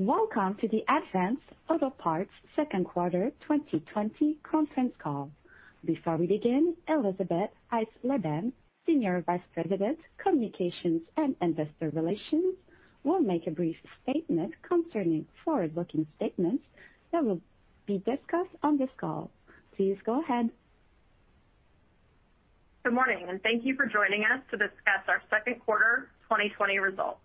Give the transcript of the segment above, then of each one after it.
Welcome to the Advance Auto Parts second quarter 2020 conference call. Before we begin, Elisabeth Eisleben, Senior Vice President, Communications and Investor Relations, will make a brief statement concerning forward-looking statements that will be discussed on this call. Please go ahead. Good morning, and thank you for joining us to discuss our second quarter 2020 results.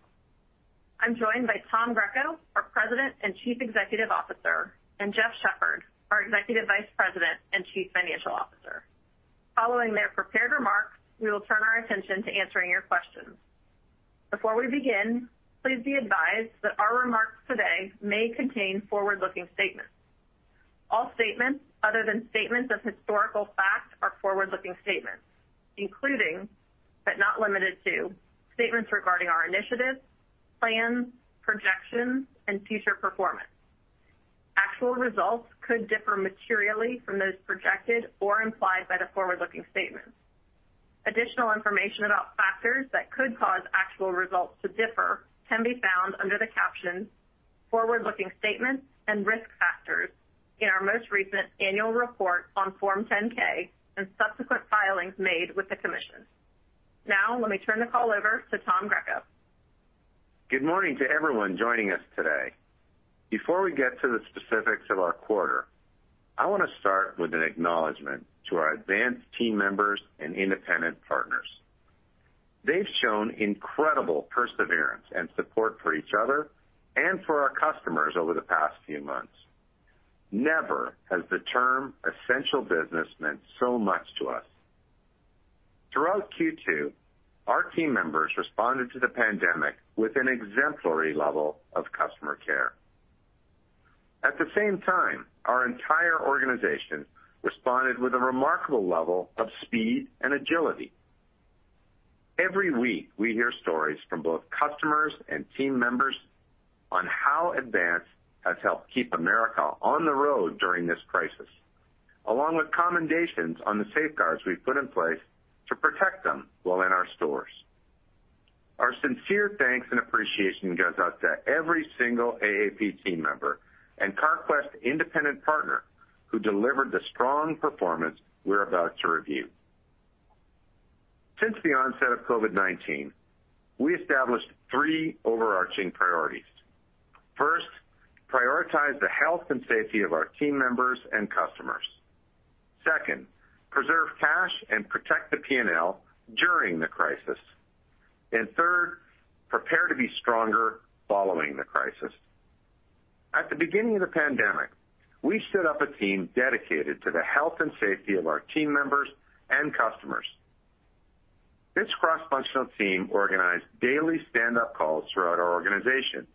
I'm joined by Tom Greco, our President and Chief Executive Officer, and Jeff Shepherd, our Executive Vice President and Chief Financial Officer. Following their prepared remarks, we will turn our attention to answering your questions. Before we begin, please be advised that our remarks today may contain forward-looking statements. All statements other than statements of historical fact are forward-looking statements, including, but not limited to, statements regarding our initiatives, plans, projections, and future performance. Actual results could differ materially from those projected or implied by the forward-looking statements. Additional information about factors that could cause actual results to differ can be found under the captions "Forward-Looking Statements" and "Risk Factors" in our most recent annual report on Form 10-K and subsequent filings made with the commission. Now, let me turn the call over to Tom Greco. Good morning to everyone joining us today. Before we get to the specifics of our quarter, I want to start with an acknowledgment to our Advance team members and independent partners. They've shown incredible perseverance and support for each other and for our customers over the past few months. Never has the term essential business meant so much to us. Throughout Q2, our team members responded to the pandemic with an exemplary level of customer care. At the same time, our entire organization responded with a remarkable level of speed and agility. Every week, we hear stories from both customers and team members on how Advance has helped keep America on the road during this crisis, along with commendations on the safeguards we've put in place to protect them while in our stores. Our sincere thanks and appreciation goes out to every single AAP team member and Carquest independent partner who delivered the strong performance we're about to review. Since the onset of COVID-19, we established three overarching priorities. First, prioritize the health and safety of our team members and customers. Second, preserve cash and protect the P&L during the crisis. Third, prepare to be stronger following the crisis. At the beginning of the pandemic, we set up a team dedicated to the health and safety of our team members and customers. This cross-functional team organized daily standup calls throughout our organization,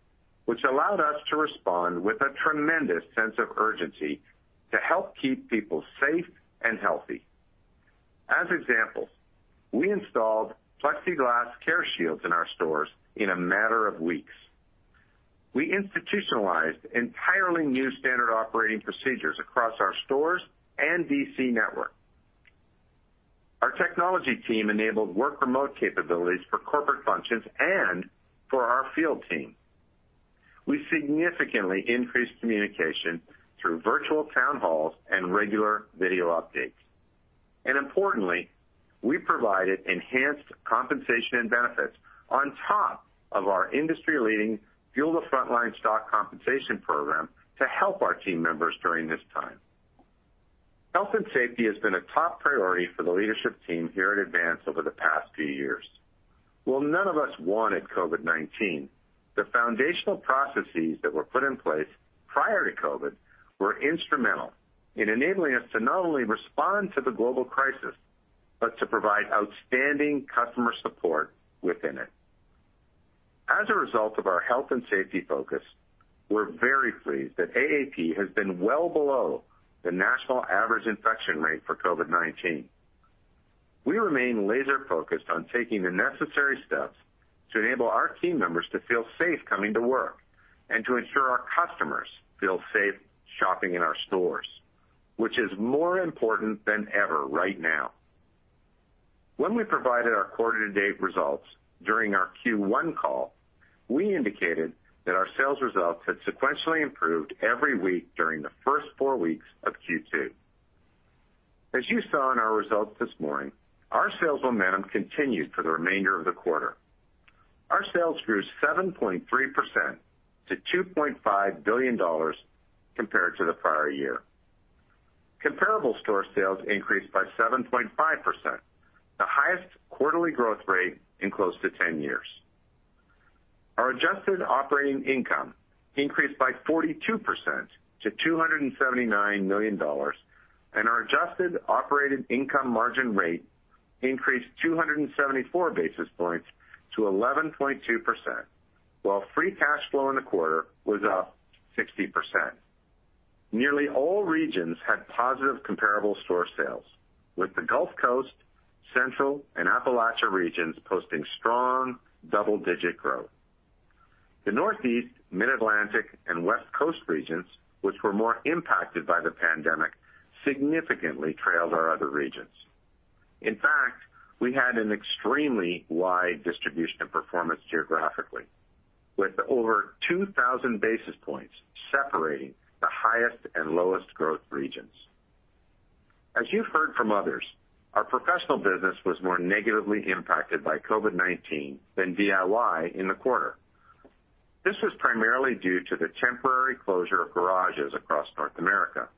which allowed us to respond with a tremendous sense of urgency to help keep people safe and healthy. As examples, we installed plexiglass care shields in our stores in a matter of weeks. We institutionalized entirely new standard operating procedures across our stores and DC network. Our technology team enabled work remote capabilities for corporate functions and for our field team. We significantly increased communication through virtual town halls and regular video updates. Importantly, we provided enhanced compensation and benefits on top of our industry-leading Fuel the Frontline stock compensation program to help our team members during this time. Health and safety has been a top priority for the leadership team here at Advance over the past few years. While none of us wanted COVID-19, the foundational processes that were put in place prior to COVID were instrumental in enabling us to not only respond to the global crisis, but to provide outstanding customer support within it. As a result of our health and safety focus, we are very pleased that AAP has been well below the national average infection rate for COVID-19. We remain laser-focused on taking the necessary steps to enable our team members to feel safe coming to work and to ensure our customers feel safe shopping in our stores, which is more important than ever right now. When we provided our quarter-to-date results during our Q1 call, we indicated that our sales results had sequentially improved every week during the first four weeks of Q2. As you saw in our results this morning, our sales momentum continued for the remainder of the quarter. Our sales grew 7.3% to $2.5 billion compared to the prior year. Comparable store sales increased by 7.5%, the highest quarterly growth rate in close to 10 years. Our adjusted operating income increased by 42% to $279 million, and our adjusted operating income margin rate increased 274 basis points to 11.2%, while free cash flow in the quarter was up 60%. Nearly all regions had positive comparable store sales, with the Gulf Coast, Central, and Appalachia regions posting strong double-digit growth. The Northeast, Mid-Atlantic, and West Coast regions, which were more impacted by the pandemic, significantly trailed our other regions. In fact, we had an extremely wide distribution of performance geographically, with over 2,000 basis points separating the highest and lowest growth regions. As you've heard from others, our professional business was more negatively impacted by COVID-19 than DIY in the quarter. This was primarily due to the temporary closure of garages across North America.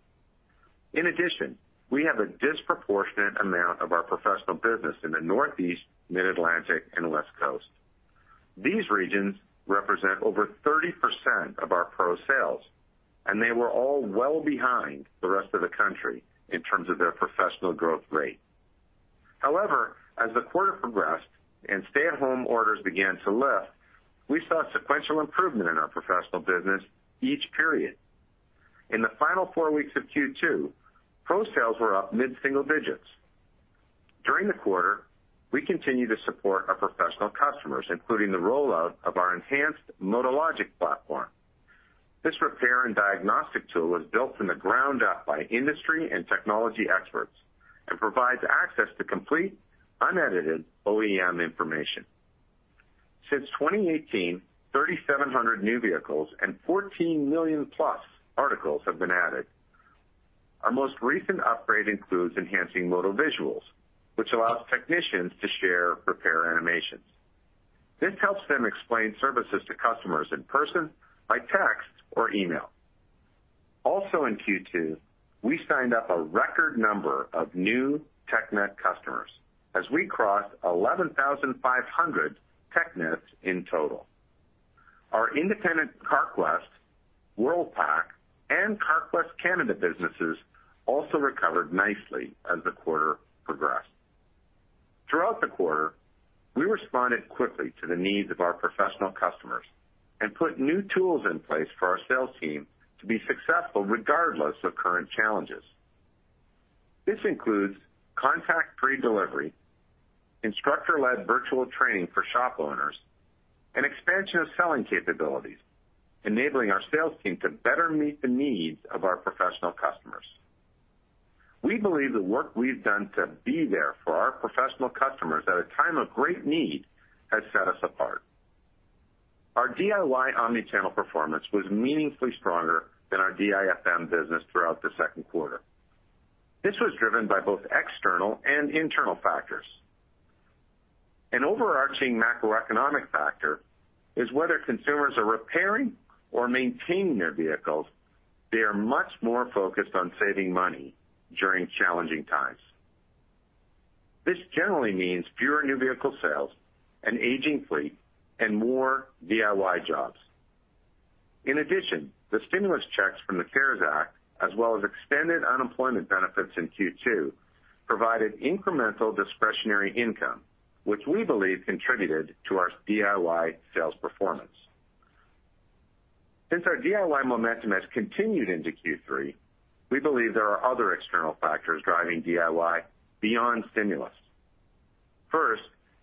In addition, we have a disproportionate amount of our professional business in the Northeast, Mid-Atlantic, and West Coast. These regions represent over 30% of our pro sales, and they were all well behind the rest of the country in terms of their professional growth rate. As the quarter progressed and stay-at-home orders began to lift, we saw sequential improvement in our professional business each period. In the final four weeks of Q2, pro sales were up mid-single digits. During the quarter, we continued to support our professional customers, including the rollout of our enhanced MotoLogic platform. This repair and diagnostic tool was built from the ground up by industry and technology experts and provides access to complete, unedited OEM information. Since 2018, 3,700 new vehicles and 14 million-plus articles have been added. Our most recent upgrade includes enhancing MotoVisuals, which allows technicians to share repair animations. This helps them explain services to customers in person, by text, or email. In Q2, we signed up a record number of new TechNet customers as we crossed 11,500 TechNets in total. Our independent Carquest, Worldpac, and Carquest Canada businesses also recovered nicely as the quarter progressed. Throughout the quarter, we responded quickly to the needs of our professional customers and put new tools in place for our sales team to be successful regardless of current challenges. This includes contact-free delivery, instructor-led virtual training for shop owners, and expansion of selling capabilities, enabling our sales team to better meet the needs of our professional customers. We believe the work we've done to be there for our professional customers at a time of great need has set us apart. Our DIY omnichannel performance was meaningfully stronger than our DIFM business throughout the second quarter. This was driven by both external and internal factors. An overarching macroeconomic factor is whether consumers are repairing or maintaining their vehicles, they are much more focused on saving money during challenging times. This generally means fewer new vehicle sales, an aging fleet, and more DIY jobs. In addition, the stimulus checks from the CARES Act, as well as extended unemployment benefits in Q2, provided incremental discretionary income, which we believe contributed to our DIY sales performance. Since our DIY momentum has continued into Q3, we believe there are other external factors driving DIY beyond stimulus. First,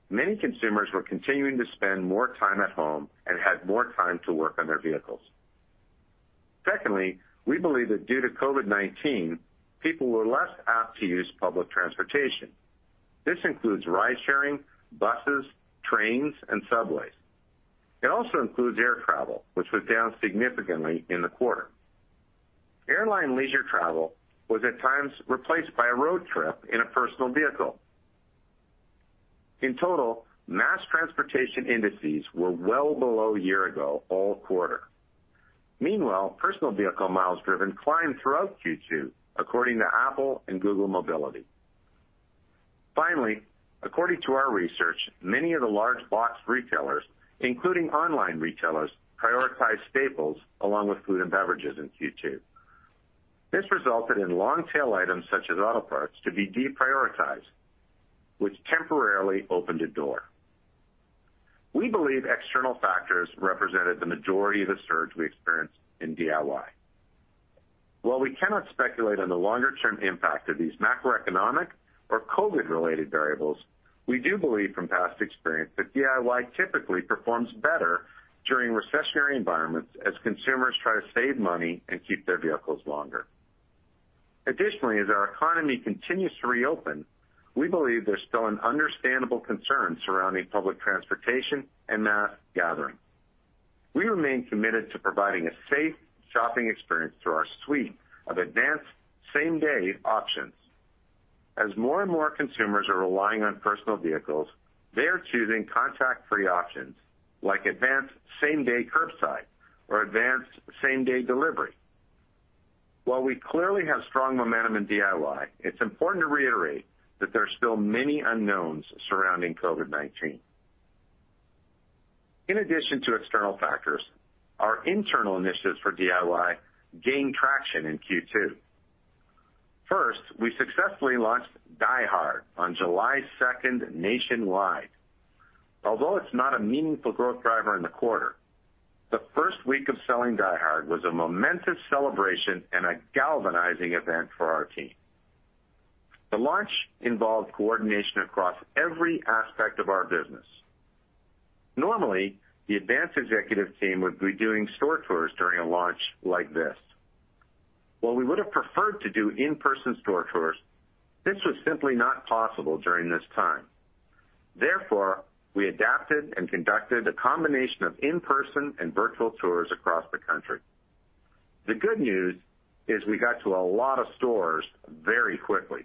many consumers were continuing to spend more time at home and had more time to work on their vehicles. Secondly, we believe that due to COVID-19, people were less apt to use public transportation. This includes ride-sharing, buses, trains, and subways. It also includes air travel, which was down significantly in the quarter. Airline leisure travel was at times replaced by a road trip in a personal vehicle. In total, mass transportation indices were well below year-ago all quarter. Meanwhile, personal vehicle miles driven climbed throughout Q2, according to Apple and Google Mobility. According to our research, many of the large box retailers, including online retailers, prioritized staples along with food and beverages in Q2. This resulted in long-tail items such as auto parts to be deprioritized, which temporarily opened a door. We believe external factors represented the majority of the surge we experienced in DIY. While we cannot speculate on the longer-term impact of these macroeconomic or COVID-related variables, we do believe from past experience that DIY typically performs better during recessionary environments as consumers try to save money and keep their vehicles longer. As our economy continues to reopen, we believe there's still an understandable concern surrounding public transportation and mass gathering. We remain committed to providing a safe shopping experience through our suite of Advance Same Day options. As more and more consumers are relying on personal vehicles, they are choosing contact-free options like Advance Same Day Curbside or Advance Same Day delivery. While we clearly have strong momentum in DIY, it's important to reiterate that there are still many unknowns surrounding COVID-19. In addition to external factors, our internal initiatives for DIY gained traction in Q2. First, we successfully launched DieHard on July 2nd nationwide. Although it's not a meaningful growth driver in the quarter, the first week of selling DieHard was a momentous celebration and a galvanizing event for our team. The launch involved coordination across every aspect of our business. Normally, the Advance executive team would be doing store tours during a launch like this. While we would have preferred to do in-person store tours, this was simply not possible during this time. Therefore, we adapted and conducted a combination of in-person and virtual tours across the country. The good news is we got to a lot of stores very quickly,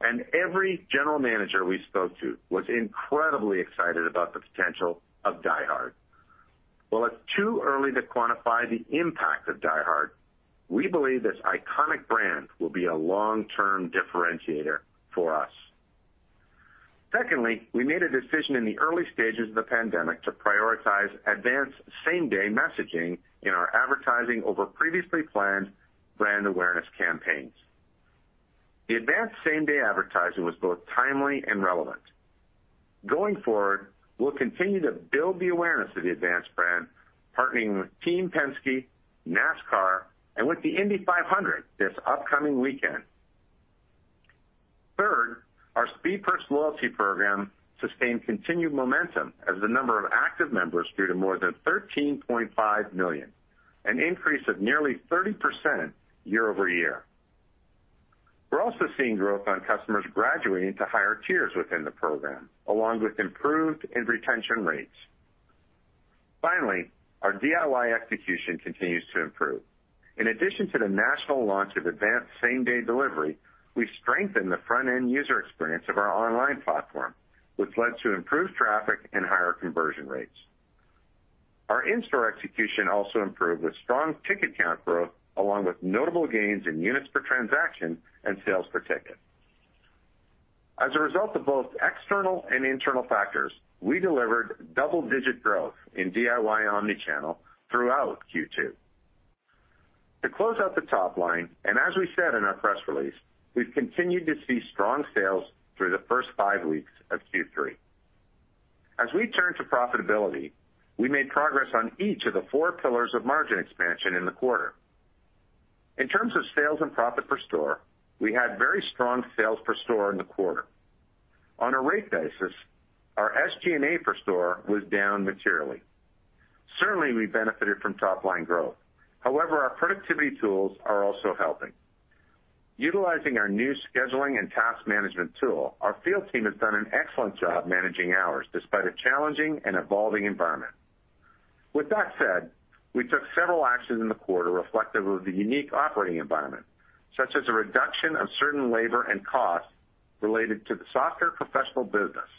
and every general manager we spoke to was incredibly excited about the potential of DieHard. While it's too early to quantify the impact of DieHard, we believe this iconic brand will be a long-term differentiator for us. Secondly, we made a decision in the early stages of the pandemic to prioritize Advance Same Day messaging in our advertising over previously planned brand awareness campaigns. The Advance Same Day advertising was both timely and relevant. Going forward, we'll continue to build the awareness of the Advance brand, partnering with Team Penske, NASCAR, and with the Indy 500 this upcoming weekend. Third, our Speed Perks loyalty program sustained continued momentum as the number of active members grew to more than 13.5 million, an increase of nearly 30% year-over-year. We're also seeing growth on customers graduating to higher tiers within the program, along with improved end retention rates. Finally, our DIY execution continues to improve. In addition to the national launch of Advance Same Day delivery, we strengthened the front-end user experience of our online platform, which led to improved traffic and higher conversion rates. Our in-store execution also improved with strong ticket count growth, along with notable gains in units per transaction and sales per ticket. As a result of both external and internal factors, we delivered double-digit growth in DIY omni-channel throughout Q2. To close out the top line, and as we said in our press release, we've continued to see strong sales through the first five weeks of Q3. As we turn to profitability, we made progress on each of the four pillars of margin expansion in the quarter. In terms of sales and profit per store, we had very strong sales per store in the quarter. On a rate basis, our SG&A per store was down materially. Certainly, we benefited from top-line growth. However, our productivity tools are also helping. Utilizing our new scheduling and task management tool, our field team has done an excellent job managing hours despite a challenging and evolving environment. With that said, we took several actions in the quarter reflective of the unique operating environment, such as a reduction of certain labor and costs related to the softer professional business.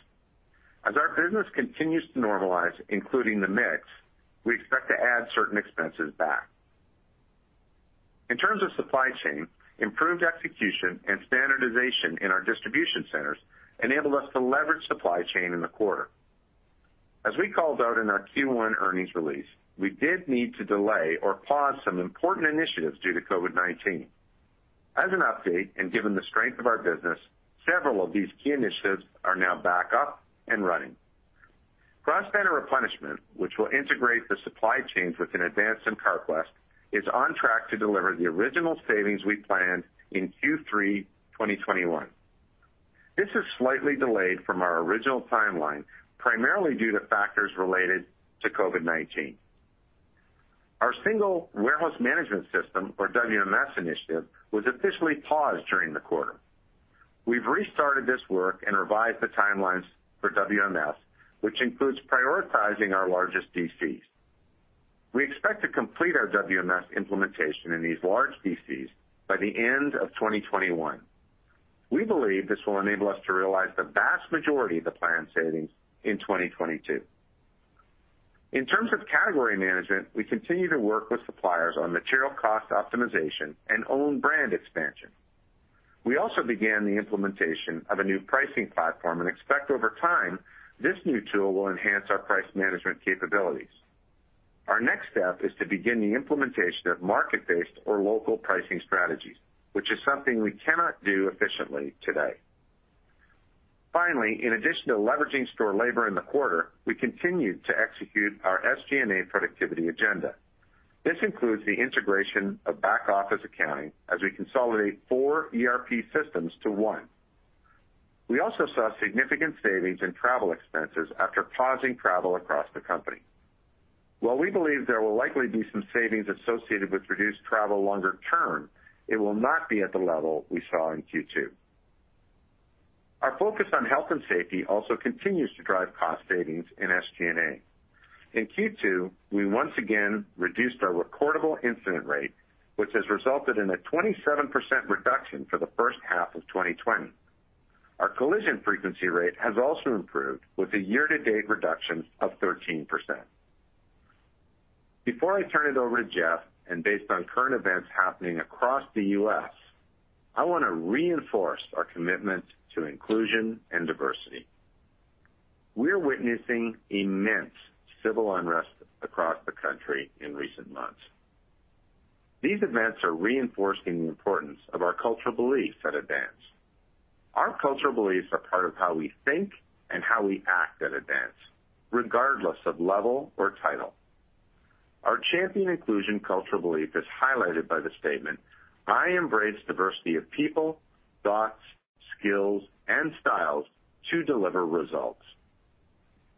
As our business continues to normalize, including the mix, we expect to add certain expenses back. In terms of supply chain, improved execution and standardization in our distribution centers enabled us to leverage supply chain in the quarter. As we called out in our Q1 earnings release, we did need to delay or pause some important initiatives due to COVID-19. As an update, and given the strength of our business, several of these key initiatives are now back up and running. Cross-Banner Replenishment, which will integrate the supply chains within Advance and Carquest, is on track to deliver the original savings we planned in Q3 2021. This is slightly delayed from our original timeline, primarily due to factors related to COVID-19. Our Single Warehouse Management System or WMS initiative was officially paused during the quarter. We've restarted this work and revised the timelines for WMS, which includes prioritizing our largest DCs. We expect to complete our WMS implementation in these large DCs by the end of 2021. We believe this will enable us to realize the vast majority of the planned savings in 2022. In terms of category management, we continue to work with suppliers on material cost optimization and own brand expansion. We also began the implementation of a new pricing platform and expect over time, this new tool will enhance our price management capabilities. Our next step is to begin the implementation of market-based or local pricing strategies, which is something we cannot do efficiently today. Finally, in addition to leveraging store labor in the quarter, we continued to execute our SG&A productivity agenda. This includes the integration of back-office accounting as we consolidate four ERP systems to one. We also saw significant savings in travel expenses after pausing travel across the company. While we believe there will likely be some savings associated with reduced travel longer term, it will not be at the level we saw in Q2. Our focus on health and safety also continues to drive cost savings in SG&A. In Q2, we once again reduced our recordable incident rate, which has resulted in a 27% reduction for the first half of 2020. Our collision frequency rate has also improved with a year-to-date reduction of 13%. Before I turn it over to Jeff, based on current events happening across the U.S., I want to reinforce our commitment to inclusion and diversity. We're witnessing immense civil unrest across the country in recent months. These events are reinforcing the importance of our cultural beliefs at Advance. Our cultural beliefs are part of how we think and how we act at Advance, regardless of level or title. Our champion inclusion cultural belief is highlighted by the statement, "I embrace diversity of people, thoughts, skills, and styles to deliver results."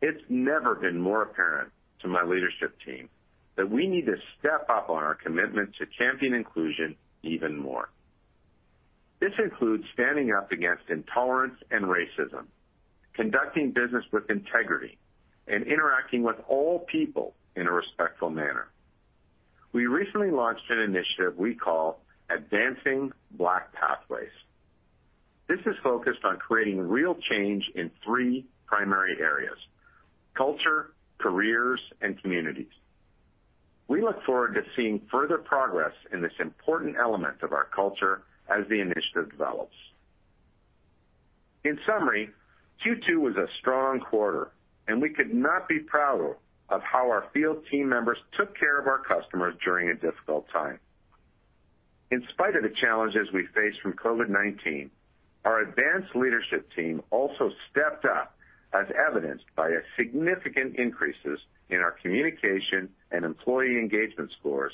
It's never been more apparent to my leadership team that we need to step up on our commitment to champion inclusion even more. This includes standing up against intolerance and racism, conducting business with integrity, and interacting with all people in a respectful manner. We recently launched an initiative we call Advancing Black Pathways. This is focused on creating real change in three primary areas: culture, careers, and communities. We look forward to seeing further progress in this important element of our culture as the initiative develops. In summary, Q2 was a strong quarter, and we could not be prouder of how our field team members took care of our customers during a difficult time. In spite of the challenges we face from COVID-19, our Advance leadership team also stepped up, as evidenced by significant increases in our communication and employee engagement scores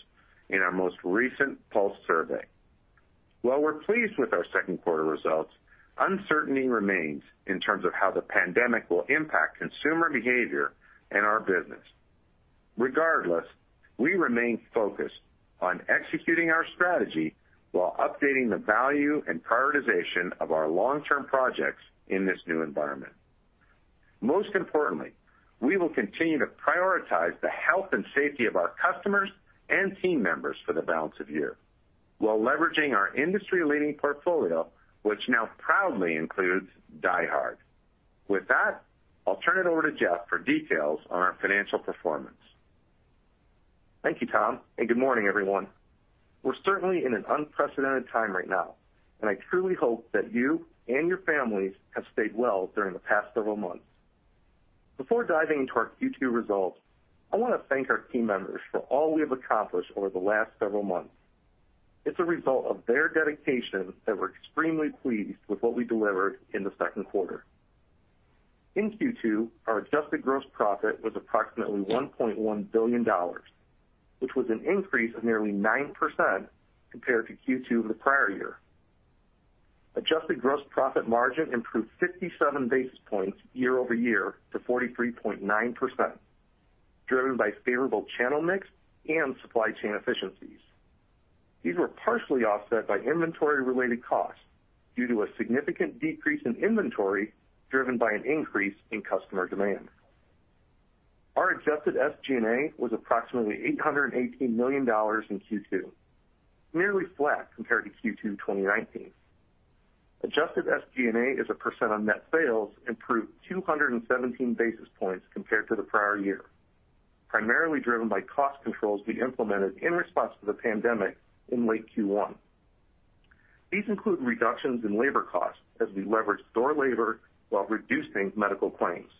in our most recent pulse survey. While we're pleased with our second quarter results, uncertainty remains in terms of how the pandemic will impact consumer behavior and our business. Regardless, we remain focused on executing our strategy while updating the value and prioritization of our long-term projects in this new environment. Most importantly, we will continue to prioritize the health and safety of our customers and team members for the balance of the year while leveraging our industry-leading portfolio, which now proudly includes DieHard. With that, I'll turn it over to Jeff for details on our financial performance. Thank you, Tom. Good morning, everyone. We're certainly in an unprecedented time right now, and I truly hope that you and your families have stayed well during the past several months. Before diving into our Q2 results, I want to thank our team members for all we have accomplished over the last several months. It's a result of their dedication that we're extremely pleased with what we delivered in the second quarter. In Q2, our adjusted gross profit was approximately $1.1 billion, which was an increase of nearly 9% compared to Q2 of the prior year. Adjusted gross profit margin improved 57 basis points year-over-year to 43.9%, driven by favorable channel mix and supply chain efficiencies. These were partially offset by inventory-related costs due to a significant decrease in inventory driven by an increase in customer demand. Our adjusted SG&A was approximately $818 million in Q2, nearly flat compared to Q2 2019. Adjusted SG&A as a percent of net sales improved 217 basis points compared to the prior year, primarily driven by cost controls we implemented in response to the pandemic in late Q1. These include reductions in labor costs as we leveraged store labor while reducing medical claims.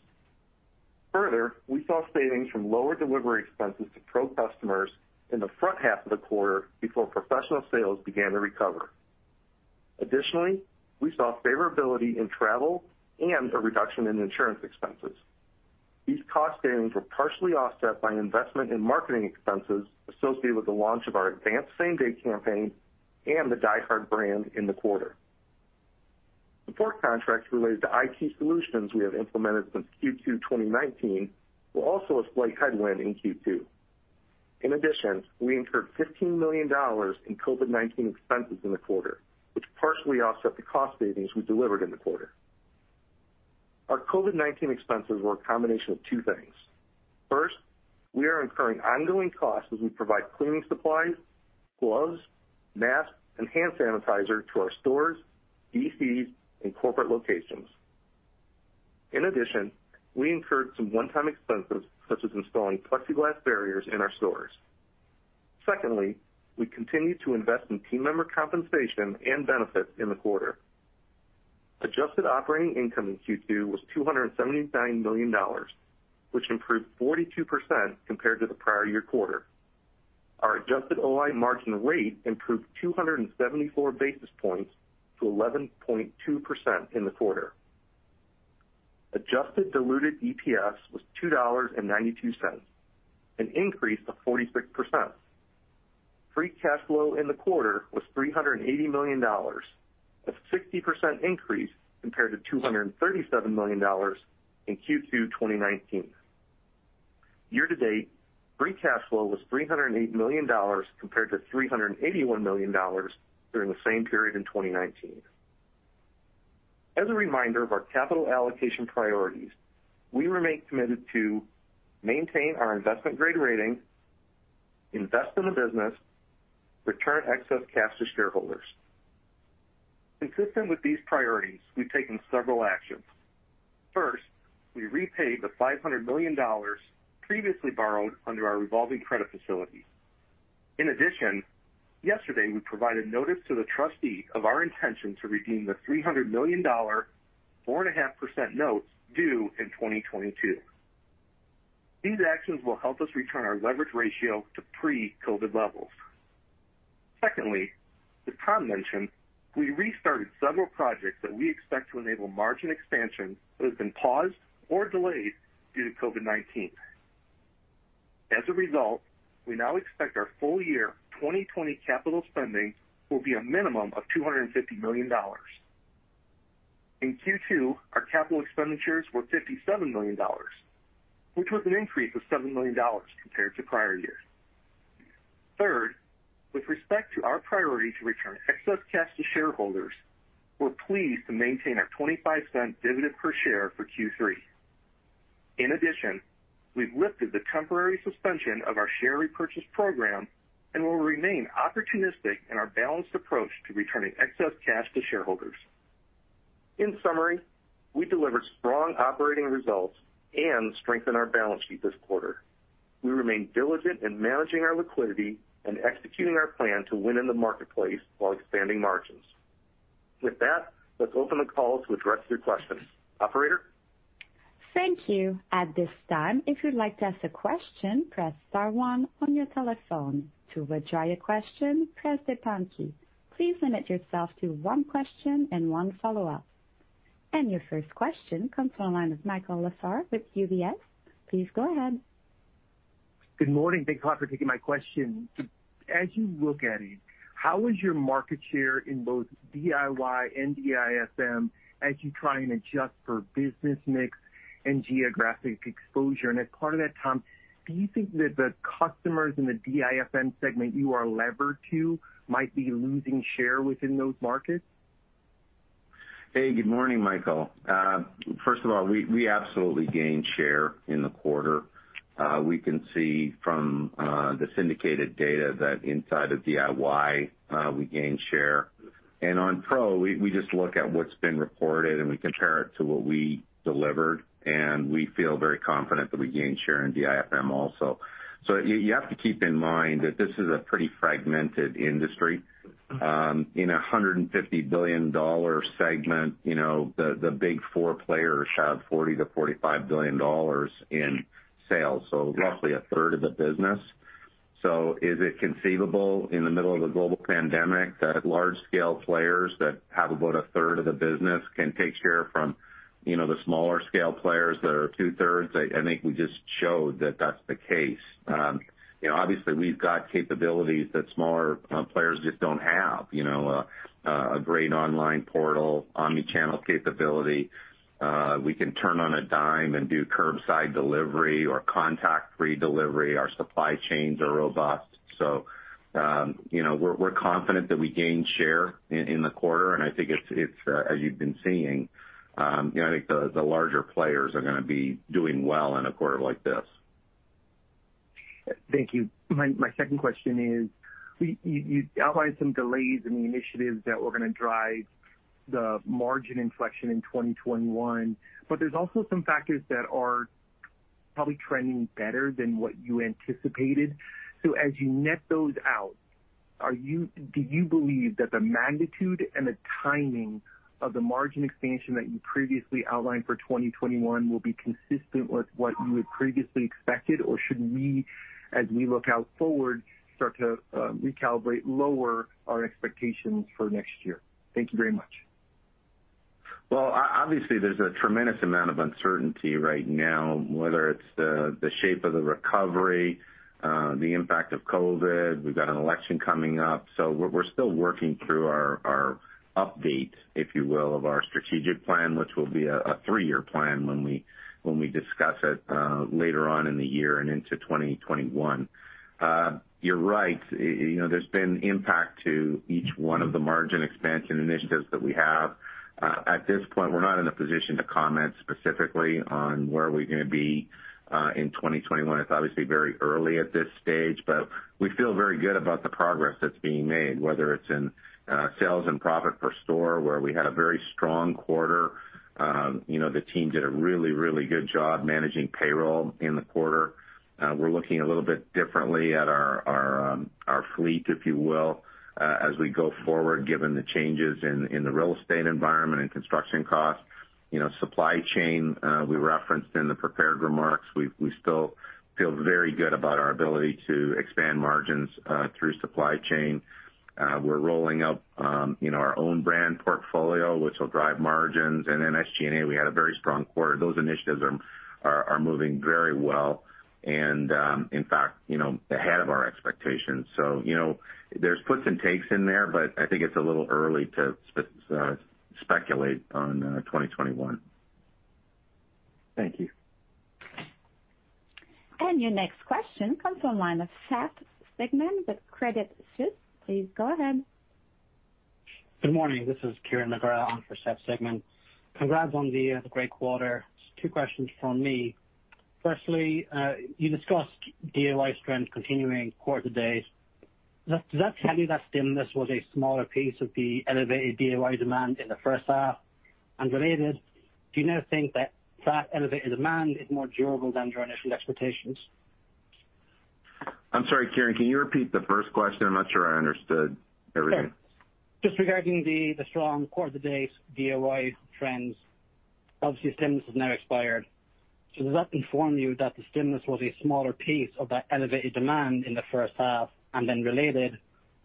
Further, we saw savings from lower delivery expenses to pro customers in the front half of the quarter before professional sales began to recover. Additionally, we saw favorability in travel and a reduction in insurance expenses. These cost savings were partially offset by investment in marketing expenses associated with the launch of our Advance Same Day campaign and the DieHard brand in the quarter. Support contracts related to IT solutions we have implemented since Q2 2019 were also a slight headwind in Q2. We incurred $15 million in COVID-19 expenses in the quarter, which partially offset the cost savings we delivered in the quarter. Our COVID-19 expenses were a combination of two things. We are incurring ongoing costs as we provide cleaning supplies, gloves, masks, and hand sanitizer to our stores, DCs, and corporate locations. We incurred some one-time expenses, such as installing plexiglass barriers in our stores. We continued to invest in team member compensation and benefits in the quarter. Adjusted operating income in Q2 was $279 million, which improved 42% compared to the prior year quarter. Our adjusted OI margin rate improved 274 basis points to 11.2% in the quarter. Adjusted diluted EPS was $2.92, an increase of 46%. Free cash flow in the quarter was $380 million, a 60% increase compared to $237 million in Q2 2019. Year to date, free cash flow was $308 million compared to $381 million during the same period in 2019. As a reminder of our capital allocation priorities, we remain committed to maintain our investment-grade rating, invest in the business, return excess cash to shareholders. Consistent with these priorities, we've taken several actions. First, we repaid the $500 million previously borrowed under our revolving credit facility. In addition, yesterday, we provided notice to the trustee of our intention to redeem the $300 million 4.5% notes due in 2022. These actions will help us return our leverage ratio to pre-COVID levels. Secondly, as Tom mentioned, we restarted several projects that we expect to enable margin expansion that have been paused or delayed due to COVID-19. As a result, we now expect our full year 2020 capital spending will be a minimum of $250 million. In Q2, our capital expenditures were $57 million, which was an increase of $7 million compared to prior years. Third, with respect to our priority to return excess cash to shareholders, we're pleased to maintain our $0.25 dividend per share for Q3. In addition, we've lifted the temporary suspension of our share repurchase program and will remain opportunistic in our balanced approach to returning excess cash to shareholders. In summary, we delivered strong operating results and strengthened our balance sheet this quarter. We remain diligent in managing our liquidity and executing our plan to win in the marketplace while expanding margins. With that, let's open the call to address your questions. Operator? Thank you. At this time, if you'd like to ask a question, press star one on your telephone. To withdraw your question, press the pound key. Please limit yourself to one question and one follow-up. Your first question comes from the line of Michael Lasser with UBS. Please go ahead. Good morning. Thanks a lot for taking my question. As you look at it, how is your market share in both DIY and DIFM as you try and adjust for business mix and geographic exposure? As part of that, Tom, do you think that the customers in the DIFM segment you are levered to might be losing share within those markets? Hey, good morning, Michael. First of all, we absolutely gained share in the quarter. We can see from the syndicated data that inside of DIY, we gained share. On DIFM, we just look at what's been reported, and we compare it to what we delivered, and we feel very confident that we gained share in DIFM also. You have to keep in mind that this is a pretty fragmented industry. In a $150 billion segment, the big four players have $40 billion-$45 billion in sales, roughly 1/3 of the business. Is it conceivable in the middle of a global pandemic that large-scale players that have about 1/3 of the business can take share from the smaller scale players that are 2/3? I think we just showed that that's the case. Obviously, we've got capabilities that smaller players just don't have. A great online portal, omni-channel capability. We can turn on a dime and do curbside delivery or contact-free delivery. Our supply chains are robust. We're confident that we gained share in the quarter, and I think as you've been seeing, I think the larger players are going to be doing well in a quarter like this. Thank you. My second question is, you outlined some delays in the initiatives that were going to drive the margin inflection in 2021. There's also some factors that are probably trending better than what you anticipated. As you net those out, do you believe that the magnitude and the timing of the margin expansion that you previously outlined for 2021 will be consistent with what you had previously expected? Should we, as we look out forward, start to recalibrate lower our expectations for next year? Thank you very much. Obviously, there's a tremendous amount of uncertainty right now, whether it's the shape of the recovery, the impact of COVID-19, we've got an election coming up. We're still working through our update, if you will, of our strategic plan, which will be a three-year plan when we discuss it later on in the year and into 2021. You're right. There's been impact to each one of the margin expansion initiatives that we have. At this point, we're not in a position to comment specifically on where we're going to be in 2021. It's obviously very early at this stage, we feel very good about the progress that's being made, whether it's in sales and profit per store, where we had a very strong quarter. The team did a really good job managing payroll in the quarter. We're looking a little bit differently at our fleet, if you will, as we go forward, given the changes in the real estate environment and construction costs. Supply chain, we referenced in the prepared remarks. We still feel very good about our ability to expand margins through supply chain. We're rolling out our own brand portfolio, which will drive margins. SG&A, we had a very strong quarter. Those initiatives are moving very well and, in fact, ahead of our expectations. There's puts and takes in there, but I think it's a little early to speculate on 2021. Thank you. Your next question comes from the line of Seth Sigman with Credit Suisse. Please go ahead. Good morning. This is Kieran McGrath on for Seth Sigman. Congrats on the great quarter. Two questions from me. Firstly, you discussed DIY strength continuing quarter to date. Does that tell you that stimulus was a smaller piece of the elevated DIY demand in the first half? Related, do you now think that elevated demand is more durable than your initial expectations? I'm sorry, Kieran, can you repeat the first question? I'm not sure I understood everything. Sure. Just regarding the strong quarter to date DIY trends. Obviously, stimulus has now expired. Does that inform you that the stimulus was a smaller piece of that elevated demand in the first half? Related,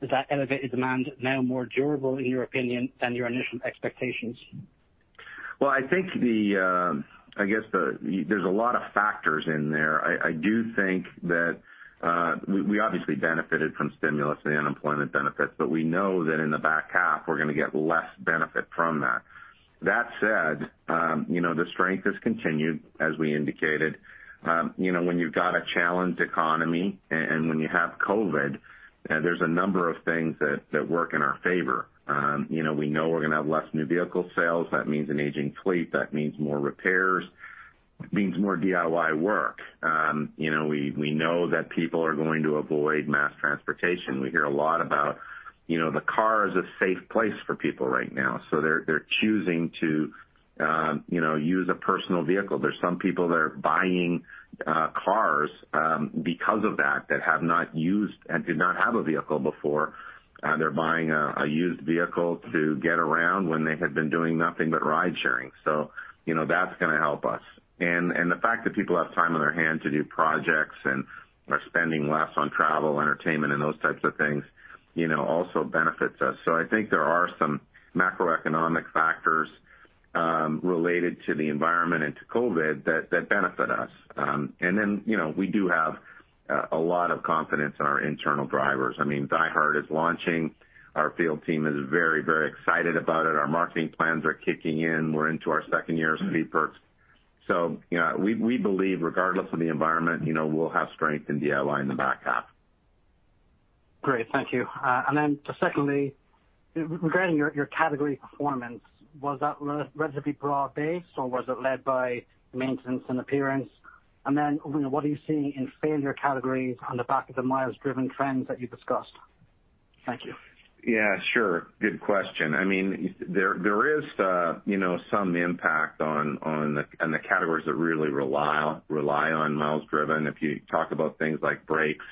is that elevated demand now more durable, in your opinion, than your initial expectations? Well, I think there's a lot of factors in there. I do think that we obviously benefited from stimulus and unemployment benefits. We know that in the back half, we're going to get less benefit from that. That said, the strength has continued, as we indicated. When you've got a challenged economy and when you have COVID, there's a number of things that work in our favor. We know we're gonna have less new vehicle sales. That means an aging fleet. That means more repairs. It means more DIY work. We know that people are going to avoid mass transportation. We hear a lot about the car as a safe place for people right now. They're choosing to use a personal vehicle. There's some people that are buying cars because of that have not used and did not have a vehicle before. They're buying a used vehicle to get around when they had been doing nothing but ride sharing. That's gonna help us. The fact that people have time on their hands to do projects and are spending less on travel, entertainment, and those types of things, also benefits us. I think there are some macroeconomic factors related to the environment and to COVID that benefit us. We do have a lot of confidence in our internal drivers. DieHard is launching. Our field team is very excited about it. Our marketing plans are kicking in. We're into our second year of Speed Perks. We believe, regardless of the environment, we'll have strength in DIY in the back half. Great. Thank you. Then just secondly, regarding your category performance, was that relatively broad-based, or was it led by maintenance and appearance? Then what are you seeing in failure categories on the back of the miles-driven trends that you discussed? Thank you. Sure. Good question. There is some impact on the categories that really rely on miles driven. If you talk about things like brakes,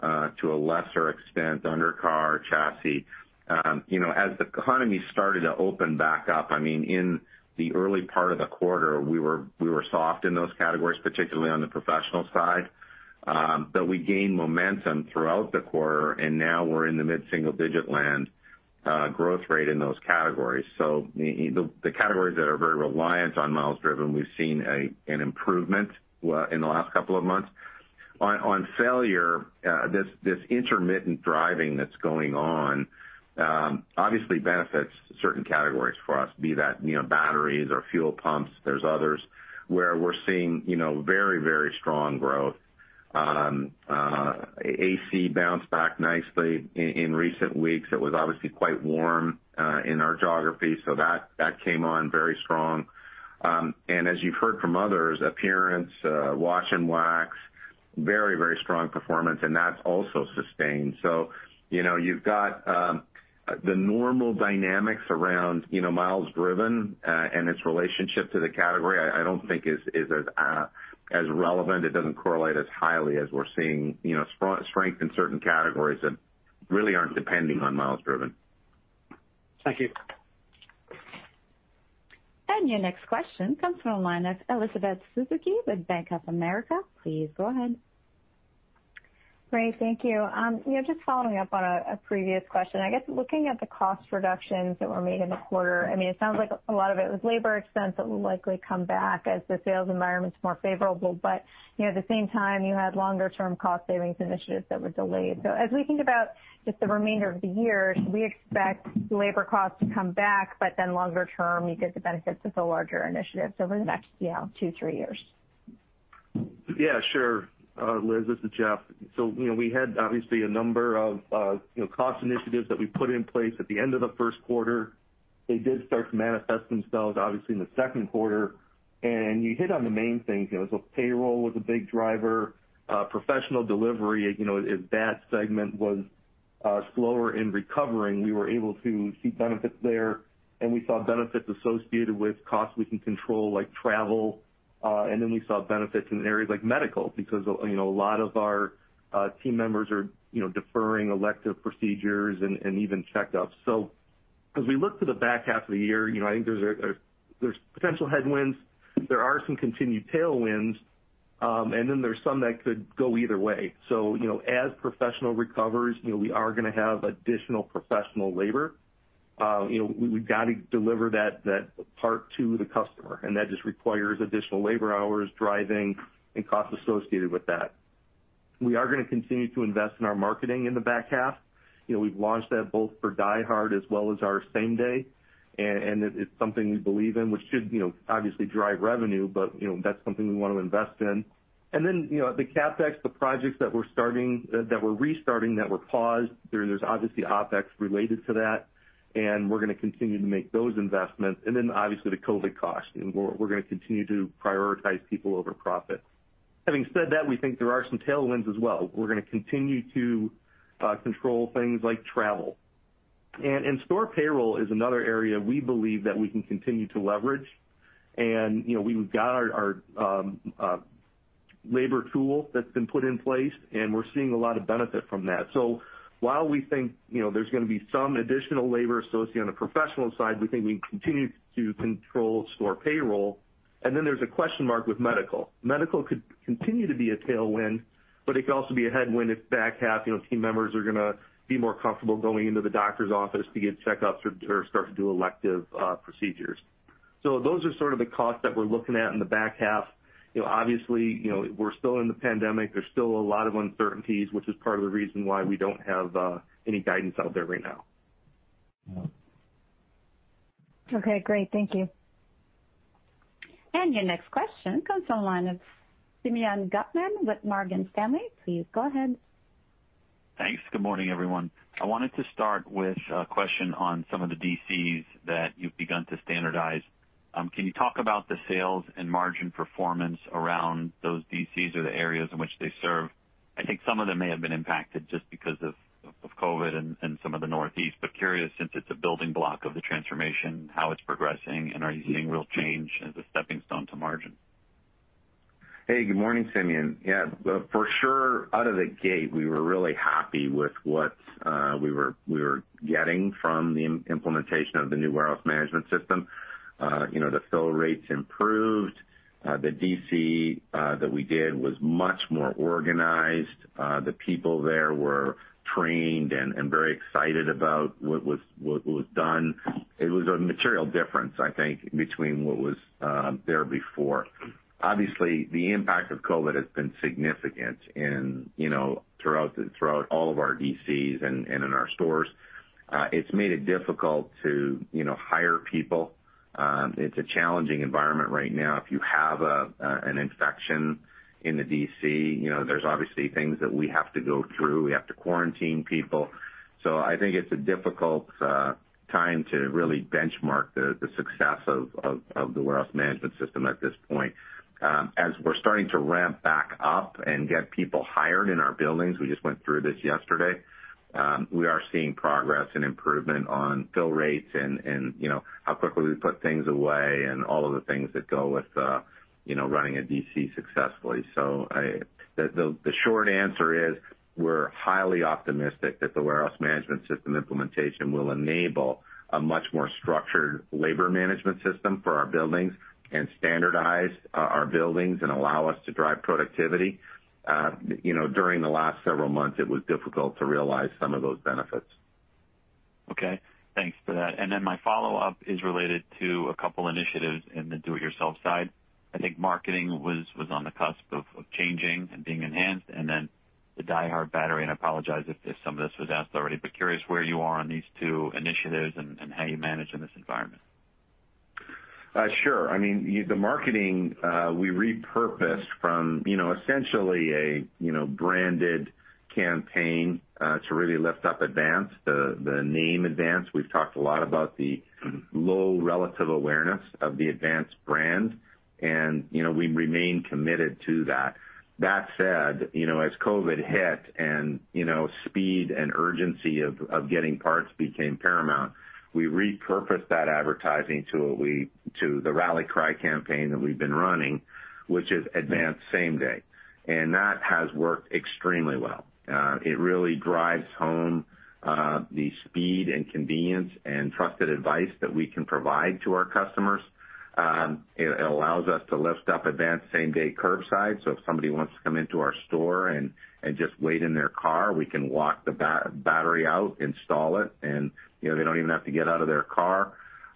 to a lesser extent, under car chassis. As the economy started to open back up, in the early part of the quarter, we were soft in those categories, particularly on the professional side. We gained momentum throughout the quarter, and now we're in the mid-single-digit land growth rate in those categories. The categories that are very reliant on miles driven, we've seen an improvement in the last couple of months. On failure, this intermittent driving that's going on obviously benefits certain categories for us, be that batteries or fuel pumps. There's others where we're seeing very strong growth. AC bounced back nicely in recent weeks. It was obviously quite warm in our geography, that came on very strong. As you've heard from others, appearance, wash and wax, very strong performance, and that's also sustained. You've got the normal dynamics around miles driven and its relationship to the category, I don't think is as relevant. It doesn't correlate as highly as we're seeing strength in certain categories that really aren't depending on miles driven. Thank you. Your next question comes from the line of Elizabeth Suzuki with Bank of America. Please go ahead. Ray, thank you. Just following up on a previous question. I guess looking at the cost reductions that were made in the quarter, it sounds like a lot of it was labor expense that will likely come back as the sales environment's more favorable. At the same time, you had longer-term cost savings initiatives that were delayed. As we think about just the remainder of the year, should we expect labor costs to come back, but then longer term, you get the benefits of the larger initiatives over the next two, three years? Yeah, sure. Liz, this is Jeff. We had obviously a number of cost initiatives that we put in place at the end of the first quarter. They did start to manifest themselves, obviously, in the second quarter, and you hit on the main things. Payroll was a big driver. Professional delivery, as that segment was slower in recovering, we were able to see benefits there, and we saw benefits associated with costs we can control, like travel. We saw benefits in areas like medical, because a lot of our team members are deferring elective procedures and even checkups. As we look to the back half of the year, I think there's potential headwinds. There are some continued tailwinds, there's some that could go either way. As professional recovers, we are gonna have additional professional labor. We've got to deliver that part to the customer, and that just requires additional labor hours, driving, and costs associated with that. We are gonna continue to invest in our marketing in the back half. We've launched that both for DieHard as well as our same day. It's something we believe in, which should obviously drive revenue, but that's something we want to invest in. The CapEx, the projects that we're restarting that were paused, there's obviously OpEx related to that, and we're gonna continue to make those investments. Obviously the COVID cost. We're gonna continue to prioritize people over profit. Having said that, we think there are some tailwinds as well. We're gonna continue to control things like travel. Store payroll is another area we believe that we can continue to leverage. We've got our labor tool that's been put in place, and we're seeing a lot of benefit from that. While we think there's going to be some additional labor associated on the professional side, we think we can continue to control store payroll. There's a question mark with medical. Medical could continue to be a tailwind, but it could also be a headwind if back half team members are going to be more comfortable going into the doctor's office to get checkups or start to do elective procedures. Those are sort of the costs that we're looking at in the back half. Obviously, we're still in the pandemic. There's still a lot of uncertainties, which is part of the reason why we don't have any guidance out there right now. Yeah. Okay, great. Thank you. Your next question comes from the line of Simeon Gutman with Morgan Stanley. Please go ahead. Thanks. Good morning, everyone. I wanted to start with a question on some of the DCs that you've begun to standardize. Can you talk about the sales and margin performance around those DCs or the areas in which they serve? I think some of them may have been impacted just because of COVID-19 and some of the Northeast, but curious, since it's a building block of the transformation, how it's progressing, and are you seeing real change as a stepping stone to margin? Hey, good morning, Simeon. Yeah, for sure, out of the gate, we were really happy with what we were getting from the implementation of the new warehouse management system. The fill rates improved. The DC that we did was much more organized. The people there were trained and very excited about what was done. It was a material difference, I think, between what was there before. The impact of COVID has been significant throughout all of our DCs and in our stores. It's made it difficult to hire people. It's a challenging environment right now. If you have an infection in the DC, there's obviously things that we have to go through. We have to quarantine people. I think it's a difficult time to really benchmark the success of the warehouse management system at this point. As we're starting to ramp back up and get people hired in our buildings, we just went through this yesterday, we are seeing progress and improvement on fill rates and how quickly we put things away and all of the things that go with running a DC successfully. The short answer is, we're highly optimistic that the warehouse management system implementation will enable a much more structured labor management system for our buildings and standardize our buildings and allow us to drive productivity. During the last several months, it was difficult to realize some of those benefits. Okay. Thanks for that. My follow-up is related to a couple initiatives in the do-it-yourself side. I think marketing was on the cusp of changing and being enhanced, and then the DieHard battery, and I apologize if some of this was asked already, but curious where you are on these two initiatives and how you manage in this environment? Sure. The marketing we repurposed from essentially a branded campaign to really lift up Advance, the name Advance. We've talked a lot about the low relative awareness of the Advance brand, and we remain committed to that. That said, as COVID hit and speed and urgency of getting parts became paramount, we repurposed that advertising to the rally cry campaign that we've been running, which is Advance Same Day, and that has worked extremely well. It really drives home the speed and convenience and trusted advice that we can provide to our customers. It allows us to lift up Advance Same Day Curbside. If somebody wants to come into our store and just wait in their car, we can walk the battery out, install it, and they don't even have to get out of their car.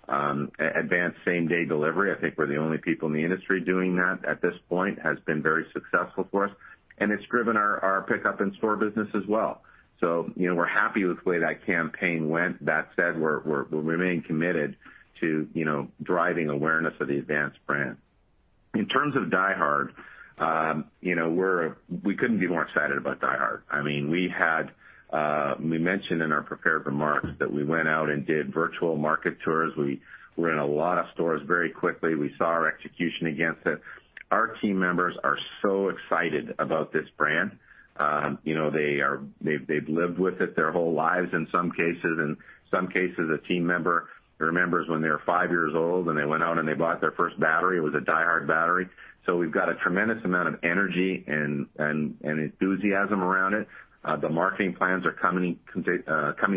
Advance Same Day delivery, I think we're the only people in the industry doing that at this point, has been very successful for us, and it's driven our pickup and store business as well. We're happy with the way that campaign went. That said, we remain committed to driving awareness of the Advance brand. In terms of DieHard, we couldn't be more excited about DieHard. We mentioned in our prepared remarks that we went out and did virtual market tours. We were in a lot of stores very quickly. We saw our execution against it. Our team members are so excited about this brand. They've lived with it their whole lives in some cases. In some cases, a team member remembers when they were five years old and they went out and they bought their first battery, it was a DieHard battery. We've got a tremendous amount of energy and enthusiasm around it. The marketing plans are coming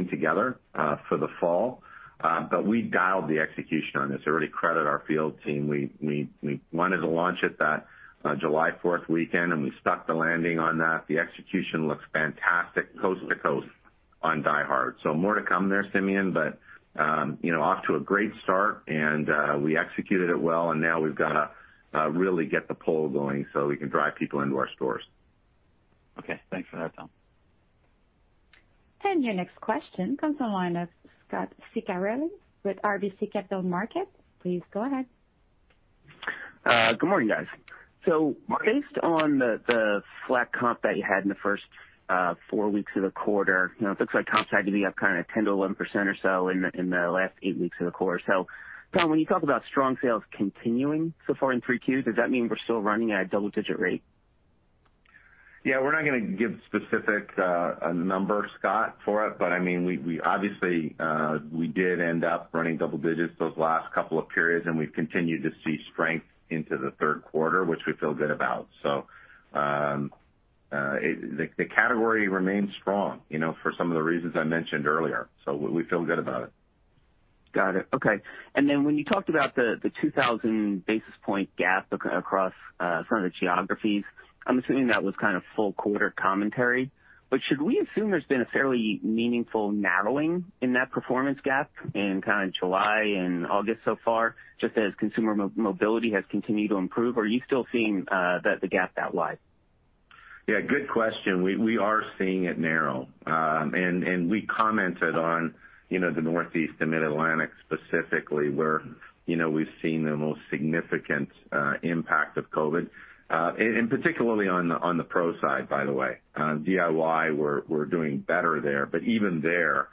together for the fall. We dialed the execution on this. I really credit our field team. We wanted to launch it that July 4th weekend, and we stuck the landing on that. The execution looks fantastic coast to coast on DieHard. More to come there, Simeon, but off to a great start and we executed it well and now we've got to really get the pull going so we can drive people into our stores. Okay. Thanks for that, Tom. Your next question comes from the line of Scot Ciccarelli with RBC Capital Markets. Please go ahead. Good morning, guys. Based on the flat comp that you had in the first four weeks of the quarter, it looks like comps had to be up kind of 10%-11% or so in the last eight weeks of the quarter. Tom, when you talk about strong sales continuing so far in 3Q, does that mean we're still running at a double digit rate? Yeah, we're not going to give specific numbers, Scot, for it. Obviously, we did end up running double digits those last couple of periods, and we've continued to see strength into the third quarter, which we feel good about. The category remains strong for some of the reasons I mentioned earlier. We feel good about it. Got it. Okay. When you talked about the 2,000 basis point gap across from the geographies, I'm assuming that was kind of full quarter commentary. Should we assume there's been a fairly meaningful narrowing in that performance gap in kind of July and August so far, just as consumer mobility has continued to improve? Are you still seeing the gap that wide? Yeah, good question. We are seeing it narrow. We commented on the Northeast and Mid-Atlantic specifically, where we've seen the most significant impact of COVID, and particularly on the Pro side, by the way. DIY, we're doing better there. Even there,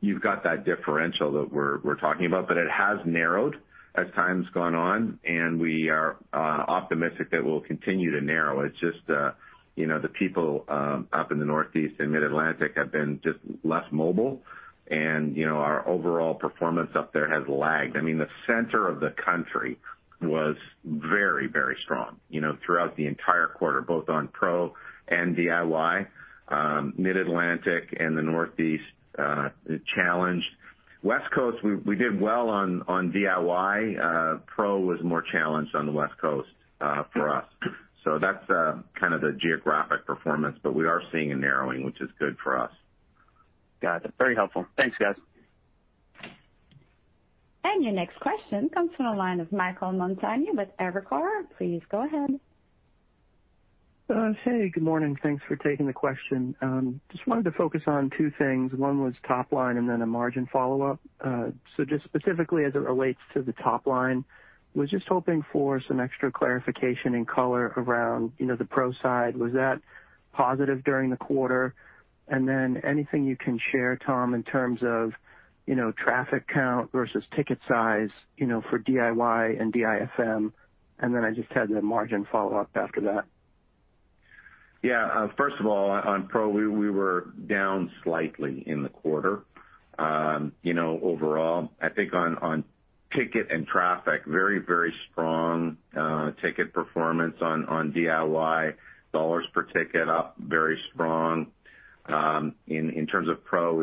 you've got that differential that we're talking about, but it has narrowed as time's gone on, and we are optimistic that we'll continue to narrow. It's just the people up in the Northeast and Mid-Atlantic have been just less mobile and our overall performance up there has lagged. The center of the country was very strong throughout the entire quarter, both on Pro and DIY. Mid-Atlantic and the Northeast, challenged. West Coast, we did well on DIY. Pro was more challenged on the West Coast for us. That's kind of the geographic performance, but we are seeing a narrowing, which is good for us. Got it. Very helpful. Thanks, guys. Your next question comes from the line of Michael Montani with Evercore. Please go ahead. Hey, good morning. Thanks for taking the question. Just wanted to focus on two things. One was top line and then a margin follow-up. Just specifically as it relates to the top line, was just hoping for some extra clarification and color around the Pro side. Was that positive during the quarter? Anything you can share, Tom, in terms of traffic count versus ticket size for DIY and DIFM, and then I just had the margin follow-up after that. First of all, on Pro, we were down slightly in the quarter. Overall, I think on ticket and traffic, very strong ticket performance on DIY. Dollars per ticket up very strong. In terms of Pro,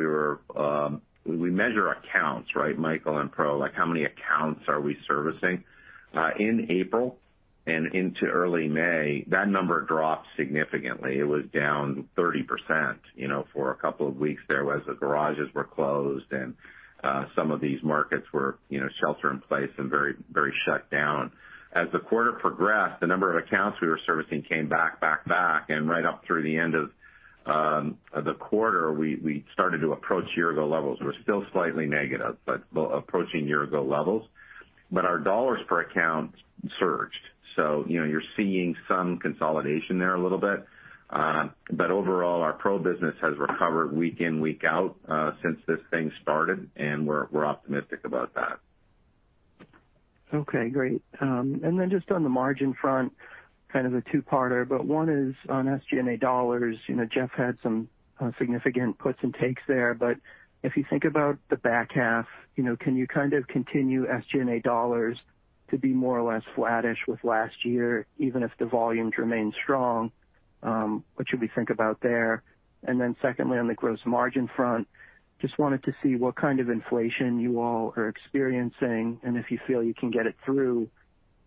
we measure accounts, right, Michael, on Pro, like how many accounts are we servicing? In April and into early May, that number dropped significantly. It was down 30% for a couple of weeks there as the garages were closed and some of these markets were shelter in place and very shut down. As the quarter progressed, the number of accounts we were servicing came back. Right up through the end of the quarter, we started to approach year-ago levels. We're still slightly negative, approaching year-ago levels. Our dollars per account surged. You're seeing some consolidation there a little bit. Overall, our Pro business has recovered week in, week out, since this thing started, and we're optimistic about that. Okay, great. Just on the margin front, kind of a two-parter, one is on SG&A dollars. Jeff had some significant puts and takes there, if you think about the back half, can you kind of continue SG&A dollars to be more or less flattish with last year, even if the volumes remain strong? What should we think about there? Secondly, on the gross margin front, just wanted to see what kind of inflation you all are experiencing and if you feel you can get it through,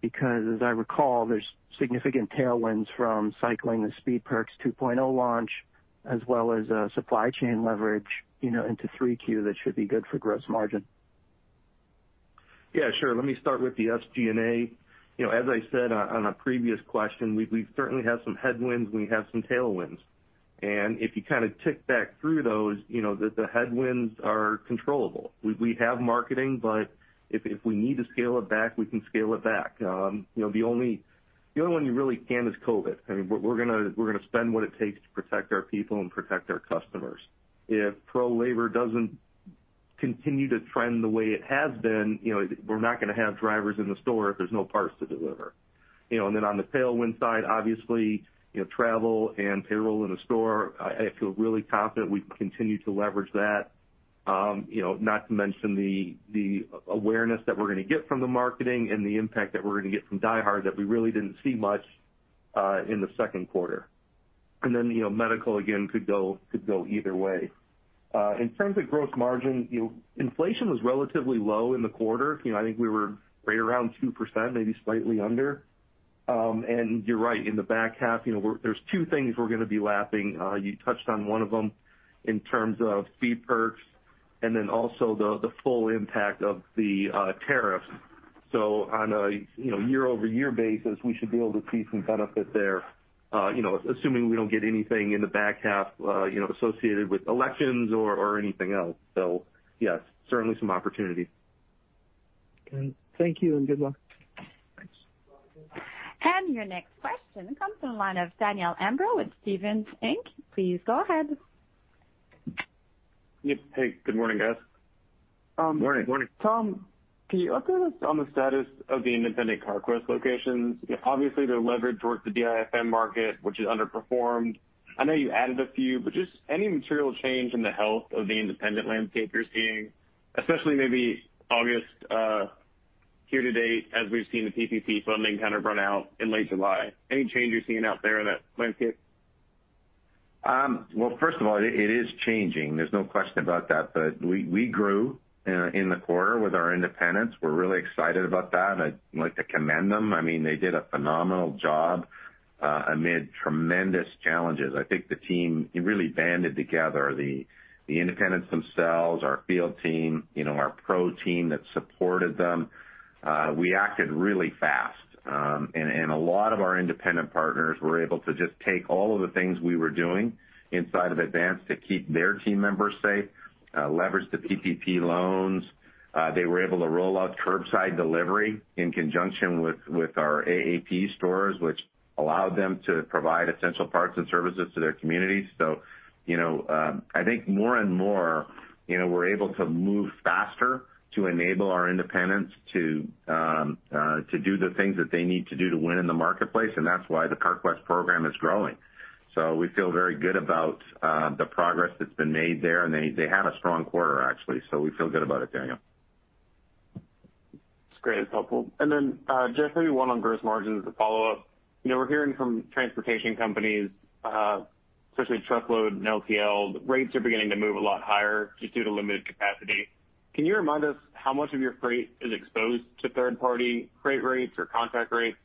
because as I recall, there's significant tailwinds from cycling the Speed Perks 2.0 launch as well as supply chain leverage into 3Q that should be good for gross margin. Yeah, sure. Let me start with the SG&A. As I said on a previous question, we certainly have some headwinds, and we have some tailwinds. If you kind of tick back through those, the headwinds are controllable. We have marketing, but if we need to scale it back, we can scale it back. The only one you really can't is COVID. We're going to spend what it takes to protect our people and protect our customers. If Pro labor doesn't continue to trend the way it has been, we're not going to have drivers in the store if there's no parts to deliver. Then on the tailwind side, obviously, travel and payroll in the store, I feel really confident we can continue to leverage that. Not to mention the awareness that we're going to get from the marketing and the impact that we're going to get from DieHard that we really didn't see much in the second quarter. Medical, again, could go either way. In terms of gross margin, inflation was relatively low in the quarter. I think we were right around 2%, maybe slightly under. You're right. In the back half, there's two things we're going to be lapping. You touched on one of them in terms of Speed Perks and then also the full impact of the tariffs. On a year-over-year basis, we should be able to see some benefit there, assuming we don't get anything in the back half associated with elections or anything else. Yes, certainly some opportunities. Okay. Thank you, and good luck. Thanks. Your next question comes from the line of Daniel Imbro with Stephens Inc. Please go ahead. Hey, good morning, guys. Morning. Morning. Tom, can you update us on the status of the independent Carquest locations? Obviously, they're leveraged towards the DIFM market, which has underperformed. I know you added a few, but just any material change in the health of the independent landscape you're seeing, especially maybe August year-to-date, as we've seen the PPP funding kind of run out in late July. Any change you're seeing out there in that landscape? First of all, it is changing. There's no question about that. We grew in the quarter with our independents. We're really excited about that. I'd like to commend them. They did a phenomenal job amid tremendous challenges. I think the team really banded together, the independents themselves, our field team, our pro team that supported them. We acted really fast. A lot of our independent partners were able to just take all of the things we were doing inside of Advance to keep their team members safe, leverage the PPP loans. They were able to roll out curbside delivery in conjunction with our AAP stores, which allowed them to provide essential parts and services to their communities. I think more and more, we're able to move faster to enable our independents to do the things that they need to do to win in the marketplace, and that's why the Carquest program is growing. We feel very good about the progress that's been made there, and they had a strong quarter, actually. We feel good about it, Daniel. That's great. That's helpful. Jeff, maybe one on gross margins as a follow-up. We're hearing from transportation companies, especially truckload and LTL, that rates are beginning to move a lot higher just due to limited capacity. Can you remind us how much of your freight is exposed to third-party freight rates or contract rates?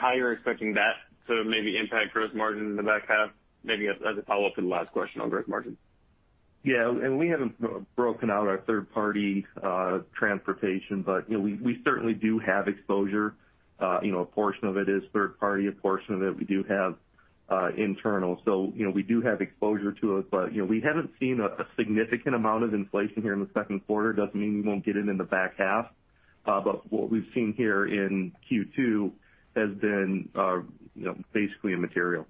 How you're expecting that to maybe impact gross margin in the back half, maybe as a follow-up to the last question on gross margin. Yeah. We haven't broken out our third-party transportation, but we certainly do have exposure. A portion of it is third party, a portion of it we do have internal. We do have exposure to it, but we haven't seen a significant amount of inflation here in the second quarter. Doesn't mean we won't get it in the back half. What we've seen here in Q2 has been basically immaterial.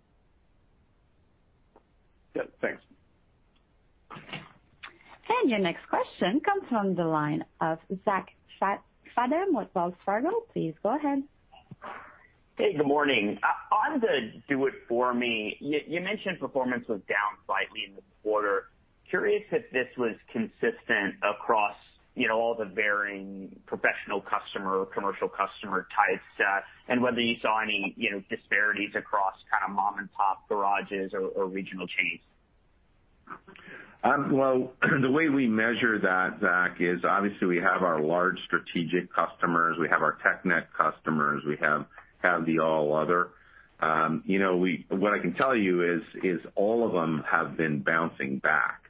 Yeah. Thanks. Your next question comes from the line of Zachary Fadem with Wells Fargo. Please go ahead. Hey, good morning. On the DIFM, you mentioned performance was down slightly in the quarter. Curious if this was consistent across all the varying professional customer or commercial customer types, and whether you saw any disparities across kind of mom-and-pop garages or regional chains. Well, the way we measure that, Zach, is obviously we have our large strategic customers, we have our TechNet customers, we have the all other. What I can tell you is all of them have been bouncing back.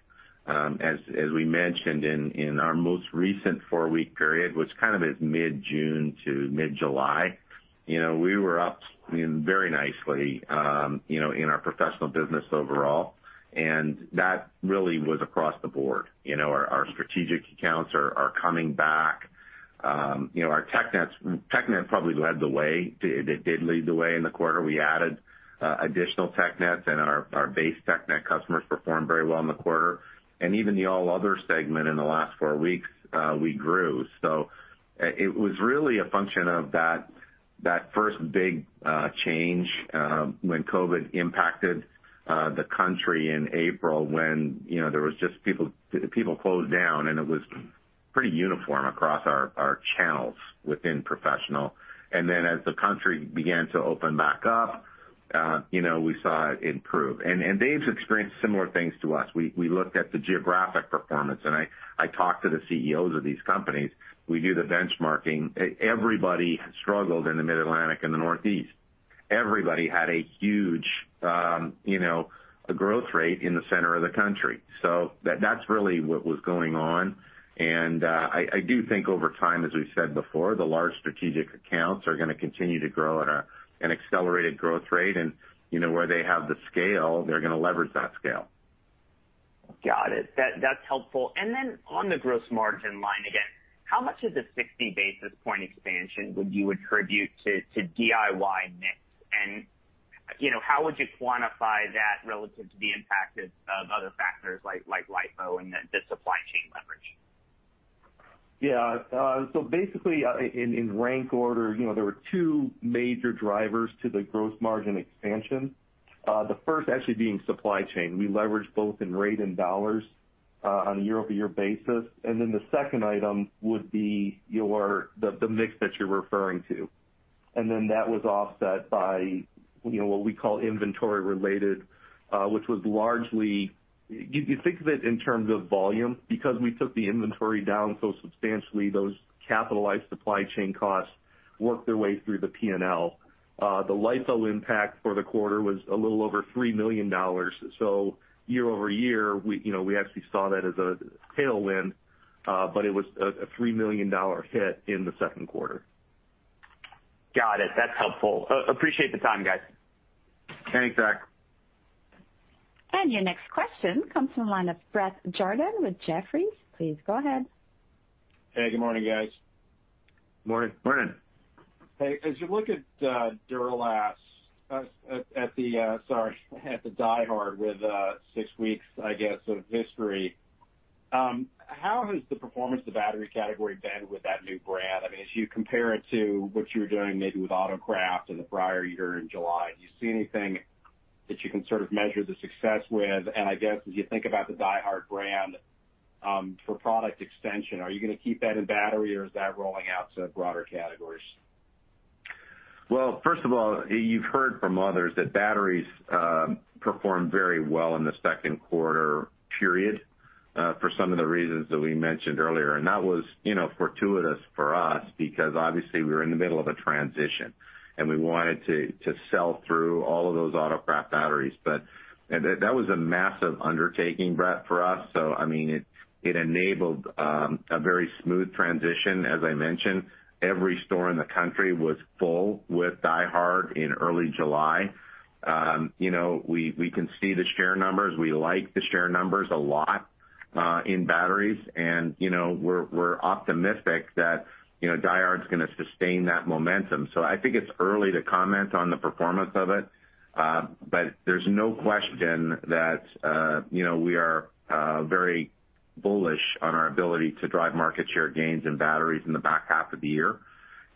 As we mentioned in our most recent four-week period, which kind of is mid-June to mid-July, we were up very nicely in our professional business overall, and that really was across the board. Our strategic accounts are coming back. TechNet probably led the way. It did lead the way in the quarter. We added additional TechNets and our base TechNet customers performed very well in the quarter. Even the all other segment in the last four weeks, we grew. It was really a function of that first big change, when COVID-19 impacted the country in April, when people closed down, and it was pretty uniform across our channels within professional. As the country began to open back up, we saw it improve. They've experienced similar things to us. We looked at the geographic performance, and I talked to the CEOs of these companies. We do the benchmarking. Everybody struggled in the Mid-Atlantic and the Northeast. Everybody had a huge growth rate in the center of the country. That's really what was going on. I do think over time, as we've said before, the large strategic accounts are going to continue to grow at an accelerated growth rate. Where they have the scale, they're going to leverage that scale. Got it. That's helpful. On the gross margin line again, how much of the 60-basis-point expansion would you attribute to DIY mix? How would you quantify that relative to the impact of other factors like LIFO and the supply chain leverage? Yeah. Basically, in rank order, there were two major drivers to the gross margin expansion. The first actually being supply chain. We leveraged both in rate and dollars on a year-over-year basis. The second item would be the mix that you're referring to. That was offset by what we call inventory related, which was largely, you think of it in terms of volume. Because we took the inventory down so substantially, those capitalized supply chain costs worked their way through the P&L. The LIFO impact for the quarter was a little over $3 million. Year-over-year, we actually saw that as a tailwind, but it was a $3 million hit in the second quarter. Got it. That's helpful. Appreciate the time, guys. Thanks, Zach. Your next question comes from the line of Bret Jordan with Jefferies. Please go ahead. Hey, good morning, guys. Morning. Morning. Hey. As you look at Duralast, at the DieHard with six weeks, I guess, of history, how has the performance of the battery category been with that new brand? I mean, as you compare it to what you were doing, maybe with AutoCraft in the prior year in July, do you see anything that you can sort of measure the success with? I guess as you think about the DieHard brand, for product extension, are you going to keep that in battery or is that rolling out to broader categories? Well, first of all, you've heard from others that batteries performed very well in the second quarter period for some of the reasons that we mentioned earlier. That was fortuitous for us because obviously we were in the middle of a transition and we wanted to sell through all of those AutoCraft batteries. That was a massive undertaking, Bret, for us. It enabled a very smooth transition. As I mentioned, every store in the country was full with DieHard in early July. We can see the share numbers. We like the share numbers a lot, in batteries. We're optimistic that DieHard's going to sustain that momentum. I think it's early to comment on the performance of it. There's no question that we are very bullish on our ability to drive market share gains in batteries in the back half of the year.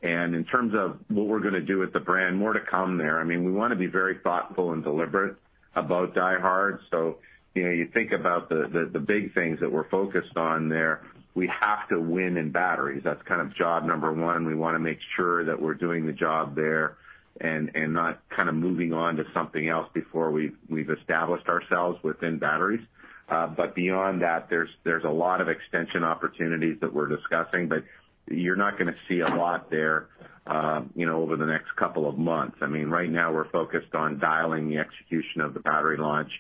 In terms of what we're going to do with the brand, more to come there. I mean, we want to be very thoughtful and deliberate about DieHard. You think about the big things that we're focused on there. We have to win in batteries. That's kind of job one. We want to make sure that we're doing the job there and not kind of moving on to something else before we've established ourselves within batteries. Beyond that, there's a lot of extension opportunities that we're discussing, but you're not going to see a lot there over the next couple of months. I mean, right now we're focused on dialing the execution of the battery launch,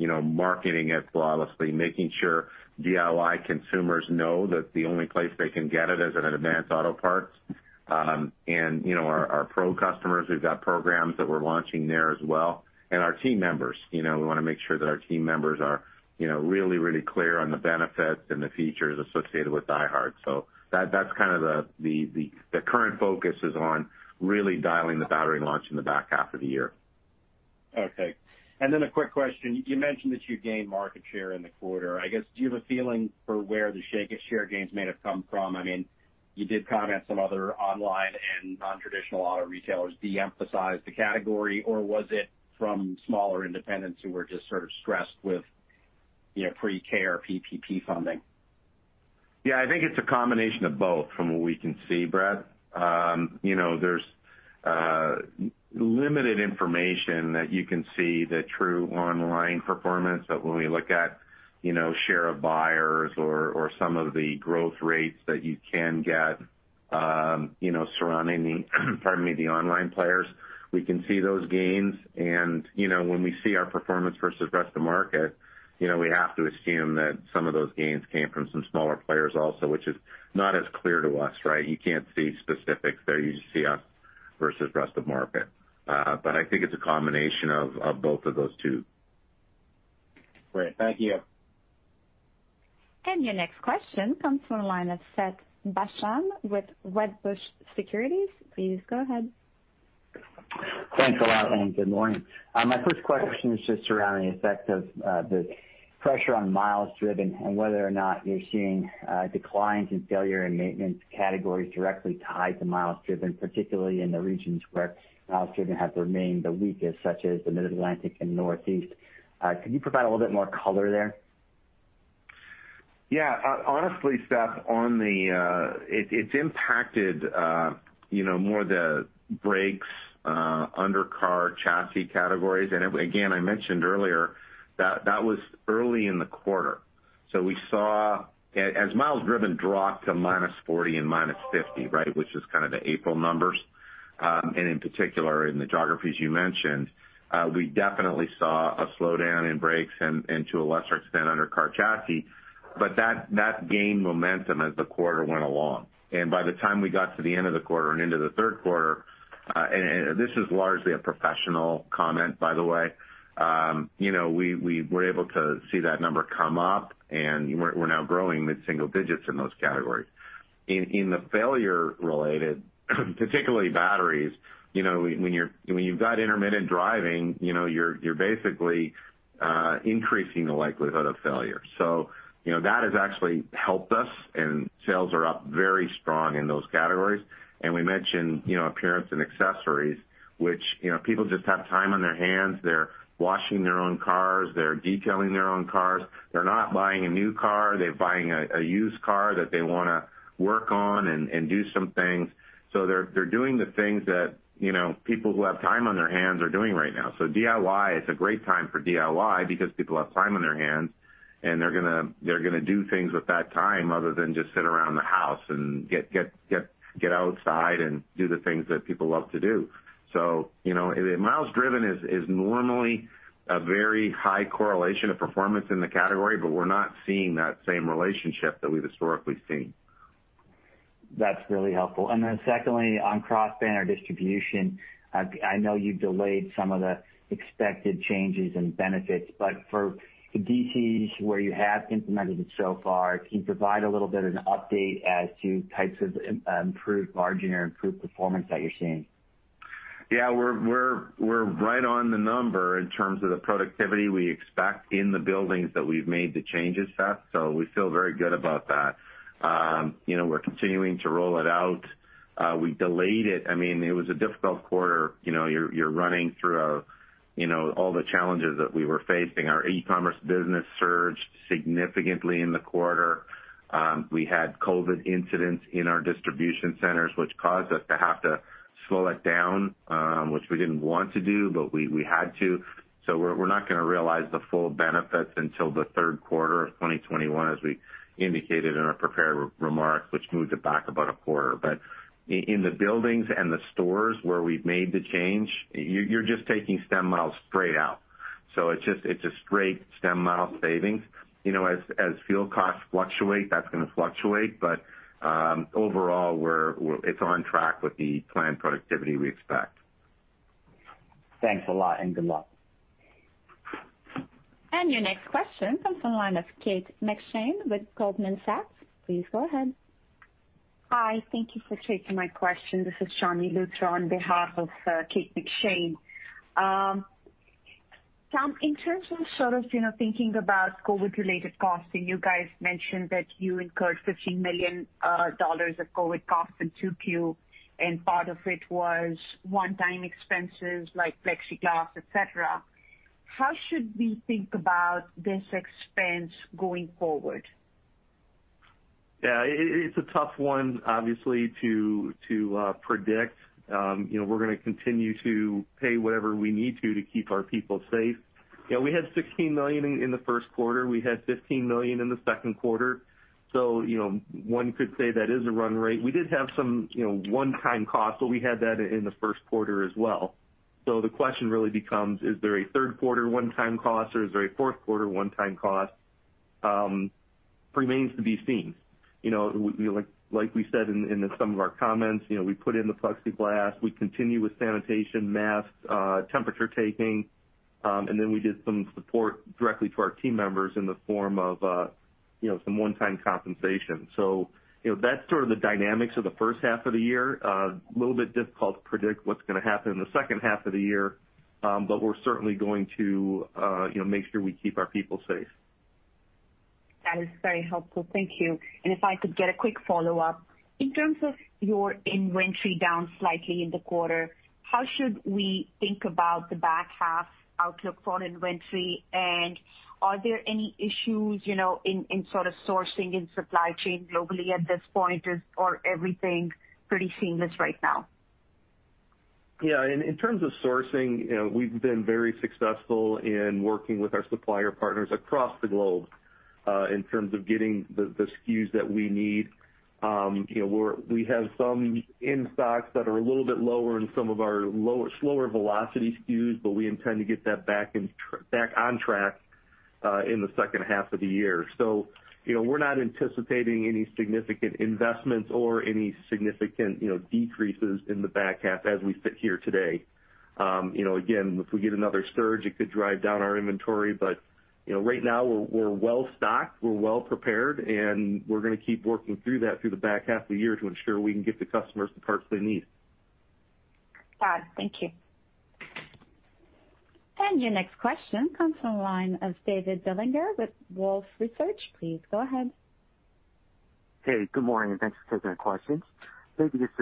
marketing it flawlessly, making sure DIY consumers know that the only place they can get it is at Advance Auto Parts. Our pro customers, we've got programs that we're launching there as well. Our team members, we want to make sure that our team members are really clear on the benefits and the features associated with DieHard. That's kind of the current focus is on really dialing the battery launch in the back half of the year. Okay. A quick question. You mentioned that you gained market share in the quarter. I guess, do you have a feeling for where the share gains may have come from? I mean, you did comment some other online and non-traditional auto retailers de-emphasized the category, or was it from smaller independents who were just sort of stressed with CARES Act PPP funding? Yeah, I think it's a combination of both from what we can see, Bret. There's limited information that you can see the true online performance, when we look at share of buyers or some of the growth rates that you can get surrounding the, pardon me, the online players, we can see those gains. When we see our performance versus rest of market, we have to assume that some of those gains came from some smaller players also, which is not as clear to us, right? You can't see specifics there. You just see us versus rest of market. I think it's a combination of both of those two. Great. Thank you. Your next question comes from the line of Seth Basham with Wedbush Securities. Please go ahead. Thanks a lot, and good morning. My first question is just around the effect of the pressure on miles driven and whether or not you're seeing declines in failure and maintenance categories directly tied to miles driven, particularly in the regions where miles driven have remained the weakest, such as the Mid-Atlantic and Northeast. Could you provide a little bit more color there? Yeah. Honestly, Seth, it's impacted more the brakes, under car chassis categories. Again, I mentioned earlier that was early in the quarter. We saw as miles driven dropped to -40% and -50%, right, which is kind of the April numbers, and in particular in the geographies you mentioned, we definitely saw a slowdown in brakes and to a lesser extent under car chassis. That gained momentum as the quarter went along. By the time we got to the end of the quarter and into the third quarter, and this is largely a professional comment, by the way, we were able to see that number come up and we're now growing mid single digits in those categories. In the failure related, particularly batteries, when you've got intermittent driving, you're basically increasing the likelihood of failure. That has actually helped us and sales are up very strong in those categories. We mentioned appearance and accessories, which people just have time on their hands. They're washing their own cars. They're detailing their own cars. They're not buying a new car. They're buying a used car that they want to work on and do some things. They're doing the things that people who have time on their hands are doing right now. DIY, it's a great time for DIY because people have time on their hands, and they're going to do things with that time other than just sit around the house and get outside and do the things that people love to do. Miles driven is normally a very high correlation of performance in the category, but we're not seeing that same relationship that we've historically seen. That's really helpful. Secondly, on cross-banner distribution, I know you delayed some of the expected changes and benefits, but for the DCs where you have implemented it so far, can you provide a little bit of an update as to types of improved margin or improved performance that you're seeing? Yeah, we're right on the number in terms of the productivity we expect in the buildings that we've made the changes, Seth, so we feel very good about that. We're continuing to roll it out. We delayed it. It was a difficult quarter. You're running through all the challenges that we were facing. Our e-commerce business surged significantly in the quarter. We had COVID-19 incidents in our distribution centers, which caused us to have to slow it down, which we didn't want to do, but we had to. We're not going to realize the full benefits until the third quarter of 2021, as we indicated in our prepared remarks, which moves it back about a quarter. In the buildings and the stores where we've made the change, you're just taking stem miles straight out. It's a straight stem mile savings. As fuel costs fluctuate, that's going to fluctuate. Overall, it's on track with the planned productivity we expect. Thanks a lot, and good luck. Your next question comes from the line of Kate McShane with Goldman Sachs. Please go ahead. Hi. Thank you for taking my question. This is Shivani Lutra on behalf of Kate McShane. Tom, in terms of thinking about COVID-related costing, you guys mentioned that you incurred $15 million of COVID costs in 2Q, and part of it was one-time expenses like plexiglass, et cetera. How should we think about this expense going forward? Yeah, it's a tough one, obviously, to predict. We're going to continue to pay whatever we need to to keep our people safe. We had $16 million in the first quarter. We had $15 million in the second quarter. One could say that is a run rate. We did have some one-time costs, but we had that in the first quarter as well. The question really becomes, is there a third quarter one-time cost, or is there a fourth quarter one-time cost? Remains to be seen. We said in some of our comments, we put in the plexiglass, we continue with sanitation, masks, temperature taking, and then we did some support directly to our team members in the form of some one-time compensation. That's sort of the dynamics of the first half of the year. A little bit difficult to predict what's going to happen in the second half of the year. We're certainly going to make sure we keep our people safe. That is very helpful. Thank you. If I could get a quick follow-up. In terms of your inventory down slightly in the quarter, how should we think about the back half outlook for inventory, and are there any issues in sourcing and supply chain globally at this point, or everything pretty seamless right now? Yeah. In terms of sourcing, we've been very successful in working with our supplier partners across the globe, in terms of getting the SKUs that we need. We have some in stocks that are a little bit lower in some of our slower velocity SKUs, but we intend to get that back on track in the second half of the year. We're not anticipating any significant investments or any significant decreases in the back half as we sit here today. Again, if we get another surge, it could drive down our inventory. Right now we're well-stocked, we're well prepared, and we're going to keep working through that through the back half of the year to ensure we can get the customers the parts they need. Got it. Thank you. Your next question comes from the line of David Bellinger with Wolfe Research. Please go ahead. Hey, good morning, and thanks for taking the questions. Maybe just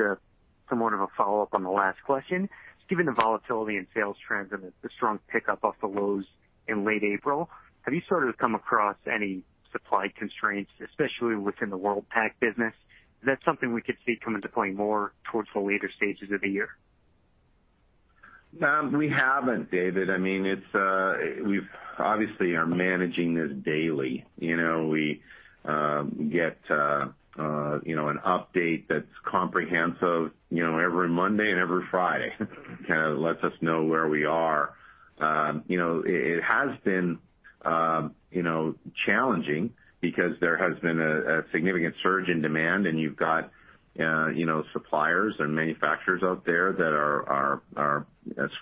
somewhat of a follow-up on the last question. Given the volatility in sales trends and the strong pickup off the lows in late April, have you come across any supply constraints, especially within the Worldpac business? Is that something we could see come into play more towards the later stages of the year? We haven't, David. We obviously are managing this daily. We get an update that's comprehensive every Monday and every Friday. Lets us know where we are. It has been challenging because there has been a significant surge in demand and you've got suppliers and manufacturers out there that are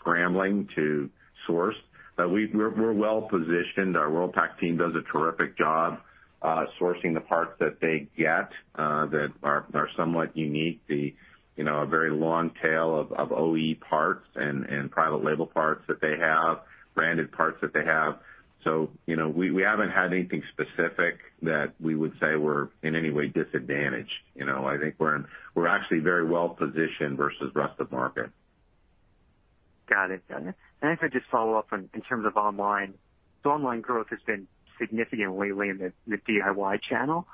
scrambling to source. We're well-positioned. Our Worldpac team does a terrific job sourcing the parts that they get that are somewhat unique. The very long tail of OE parts and private label parts that they have, branded parts that they have. We haven't had anything specific that we would say we're in any way disadvantaged. I think we're actually very well-positioned versus rest of market. Got it. If I could just follow up in terms of online. Online growth has been significant lately in the DIY channel.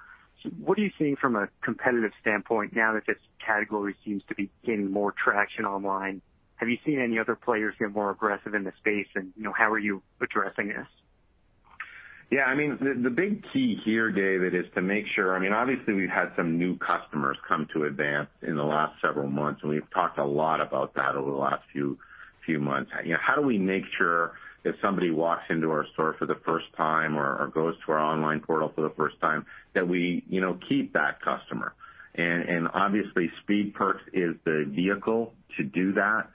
What are you seeing from a competitive standpoint now that this category seems to be gaining more traction online? Have you seen any other players get more aggressive in the space, and how are you addressing this? The big key here, David, is to make sure, obviously, we've had some new customers come to Advance Auto Parts in the last several months, and we've talked a lot about that over the last few months. How do we make sure if somebody walks into our store for the first time or goes to our online portal for the first time, that we keep that customer? Obviously, Speed Perks is the vehicle to do that.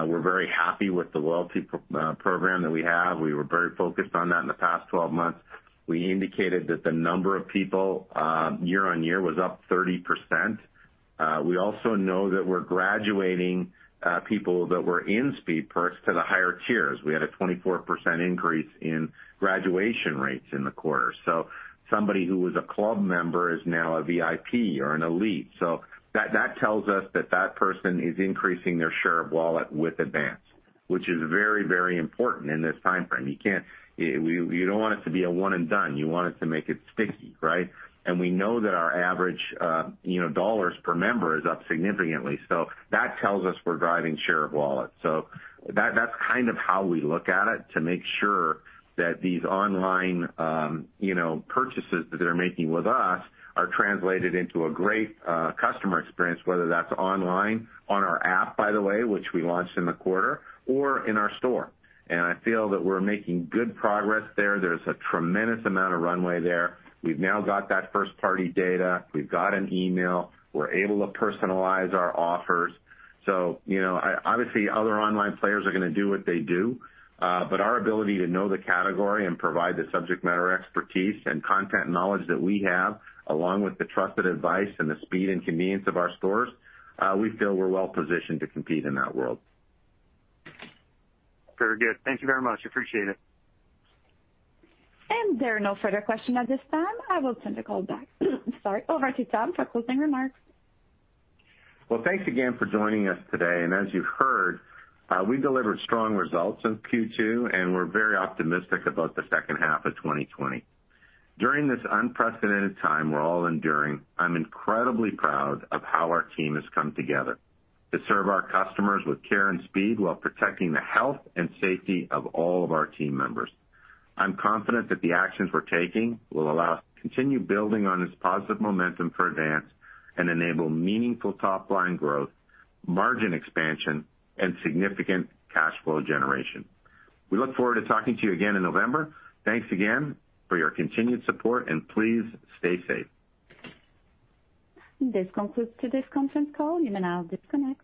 We're very happy with the loyalty program that we have. We were very focused on that in the past 12 months. We indicated that the number of people year-over-year was up 30%. We also know that we're graduating people that were in Speed Perks to the higher tiers. We had a 24% increase in graduation rates in the quarter. Somebody who was a club member is now a VIP or an elite. That tells us that person is increasing their share of wallet with Advance, which is very important in this timeframe. You don't want it to be a one and done. You want it to make it sticky. Right? We know that our average dollars per member is up significantly. That tells us we're driving share of wallet. That's kind of how we look at it to make sure that these online purchases that they're making with us are translated into a great customer experience, whether that's online, on our app, by the way, which we launched in the quarter, or in our store. I feel that we're making good progress there. There's a tremendous amount of runway there. We've now got that first party data. We've got an email. We're able to personalize our offers. Obviously other online players are going to do what they do. Our ability to know the category and provide the subject matter expertise and content knowledge that we have, along with the trusted advice and the speed and convenience of our stores, we feel we're well positioned to compete in that world. Very good. Thank you very much. Appreciate it. There are no further questions at this time. I will turn the call back over to Tom for closing remarks. Well, Thanks again for joining us today. As you've heard, we delivered strong results in Q2, and we're very optimistic about the second half of 2020. During this unprecedented time we're all enduring, I'm incredibly proud of how our team has come together to serve our customers with care and speed while protecting the health and safety of all of our team members. I'm confident that the actions we're taking will allow us to continue building on this positive momentum for Advance and enable meaningful top line growth, margin expansion, and significant cash flow generation. We look forward to talking to you again in November. Thanks again for your continued support, and please stay safe. This concludes today's conference call. You may now disconnect.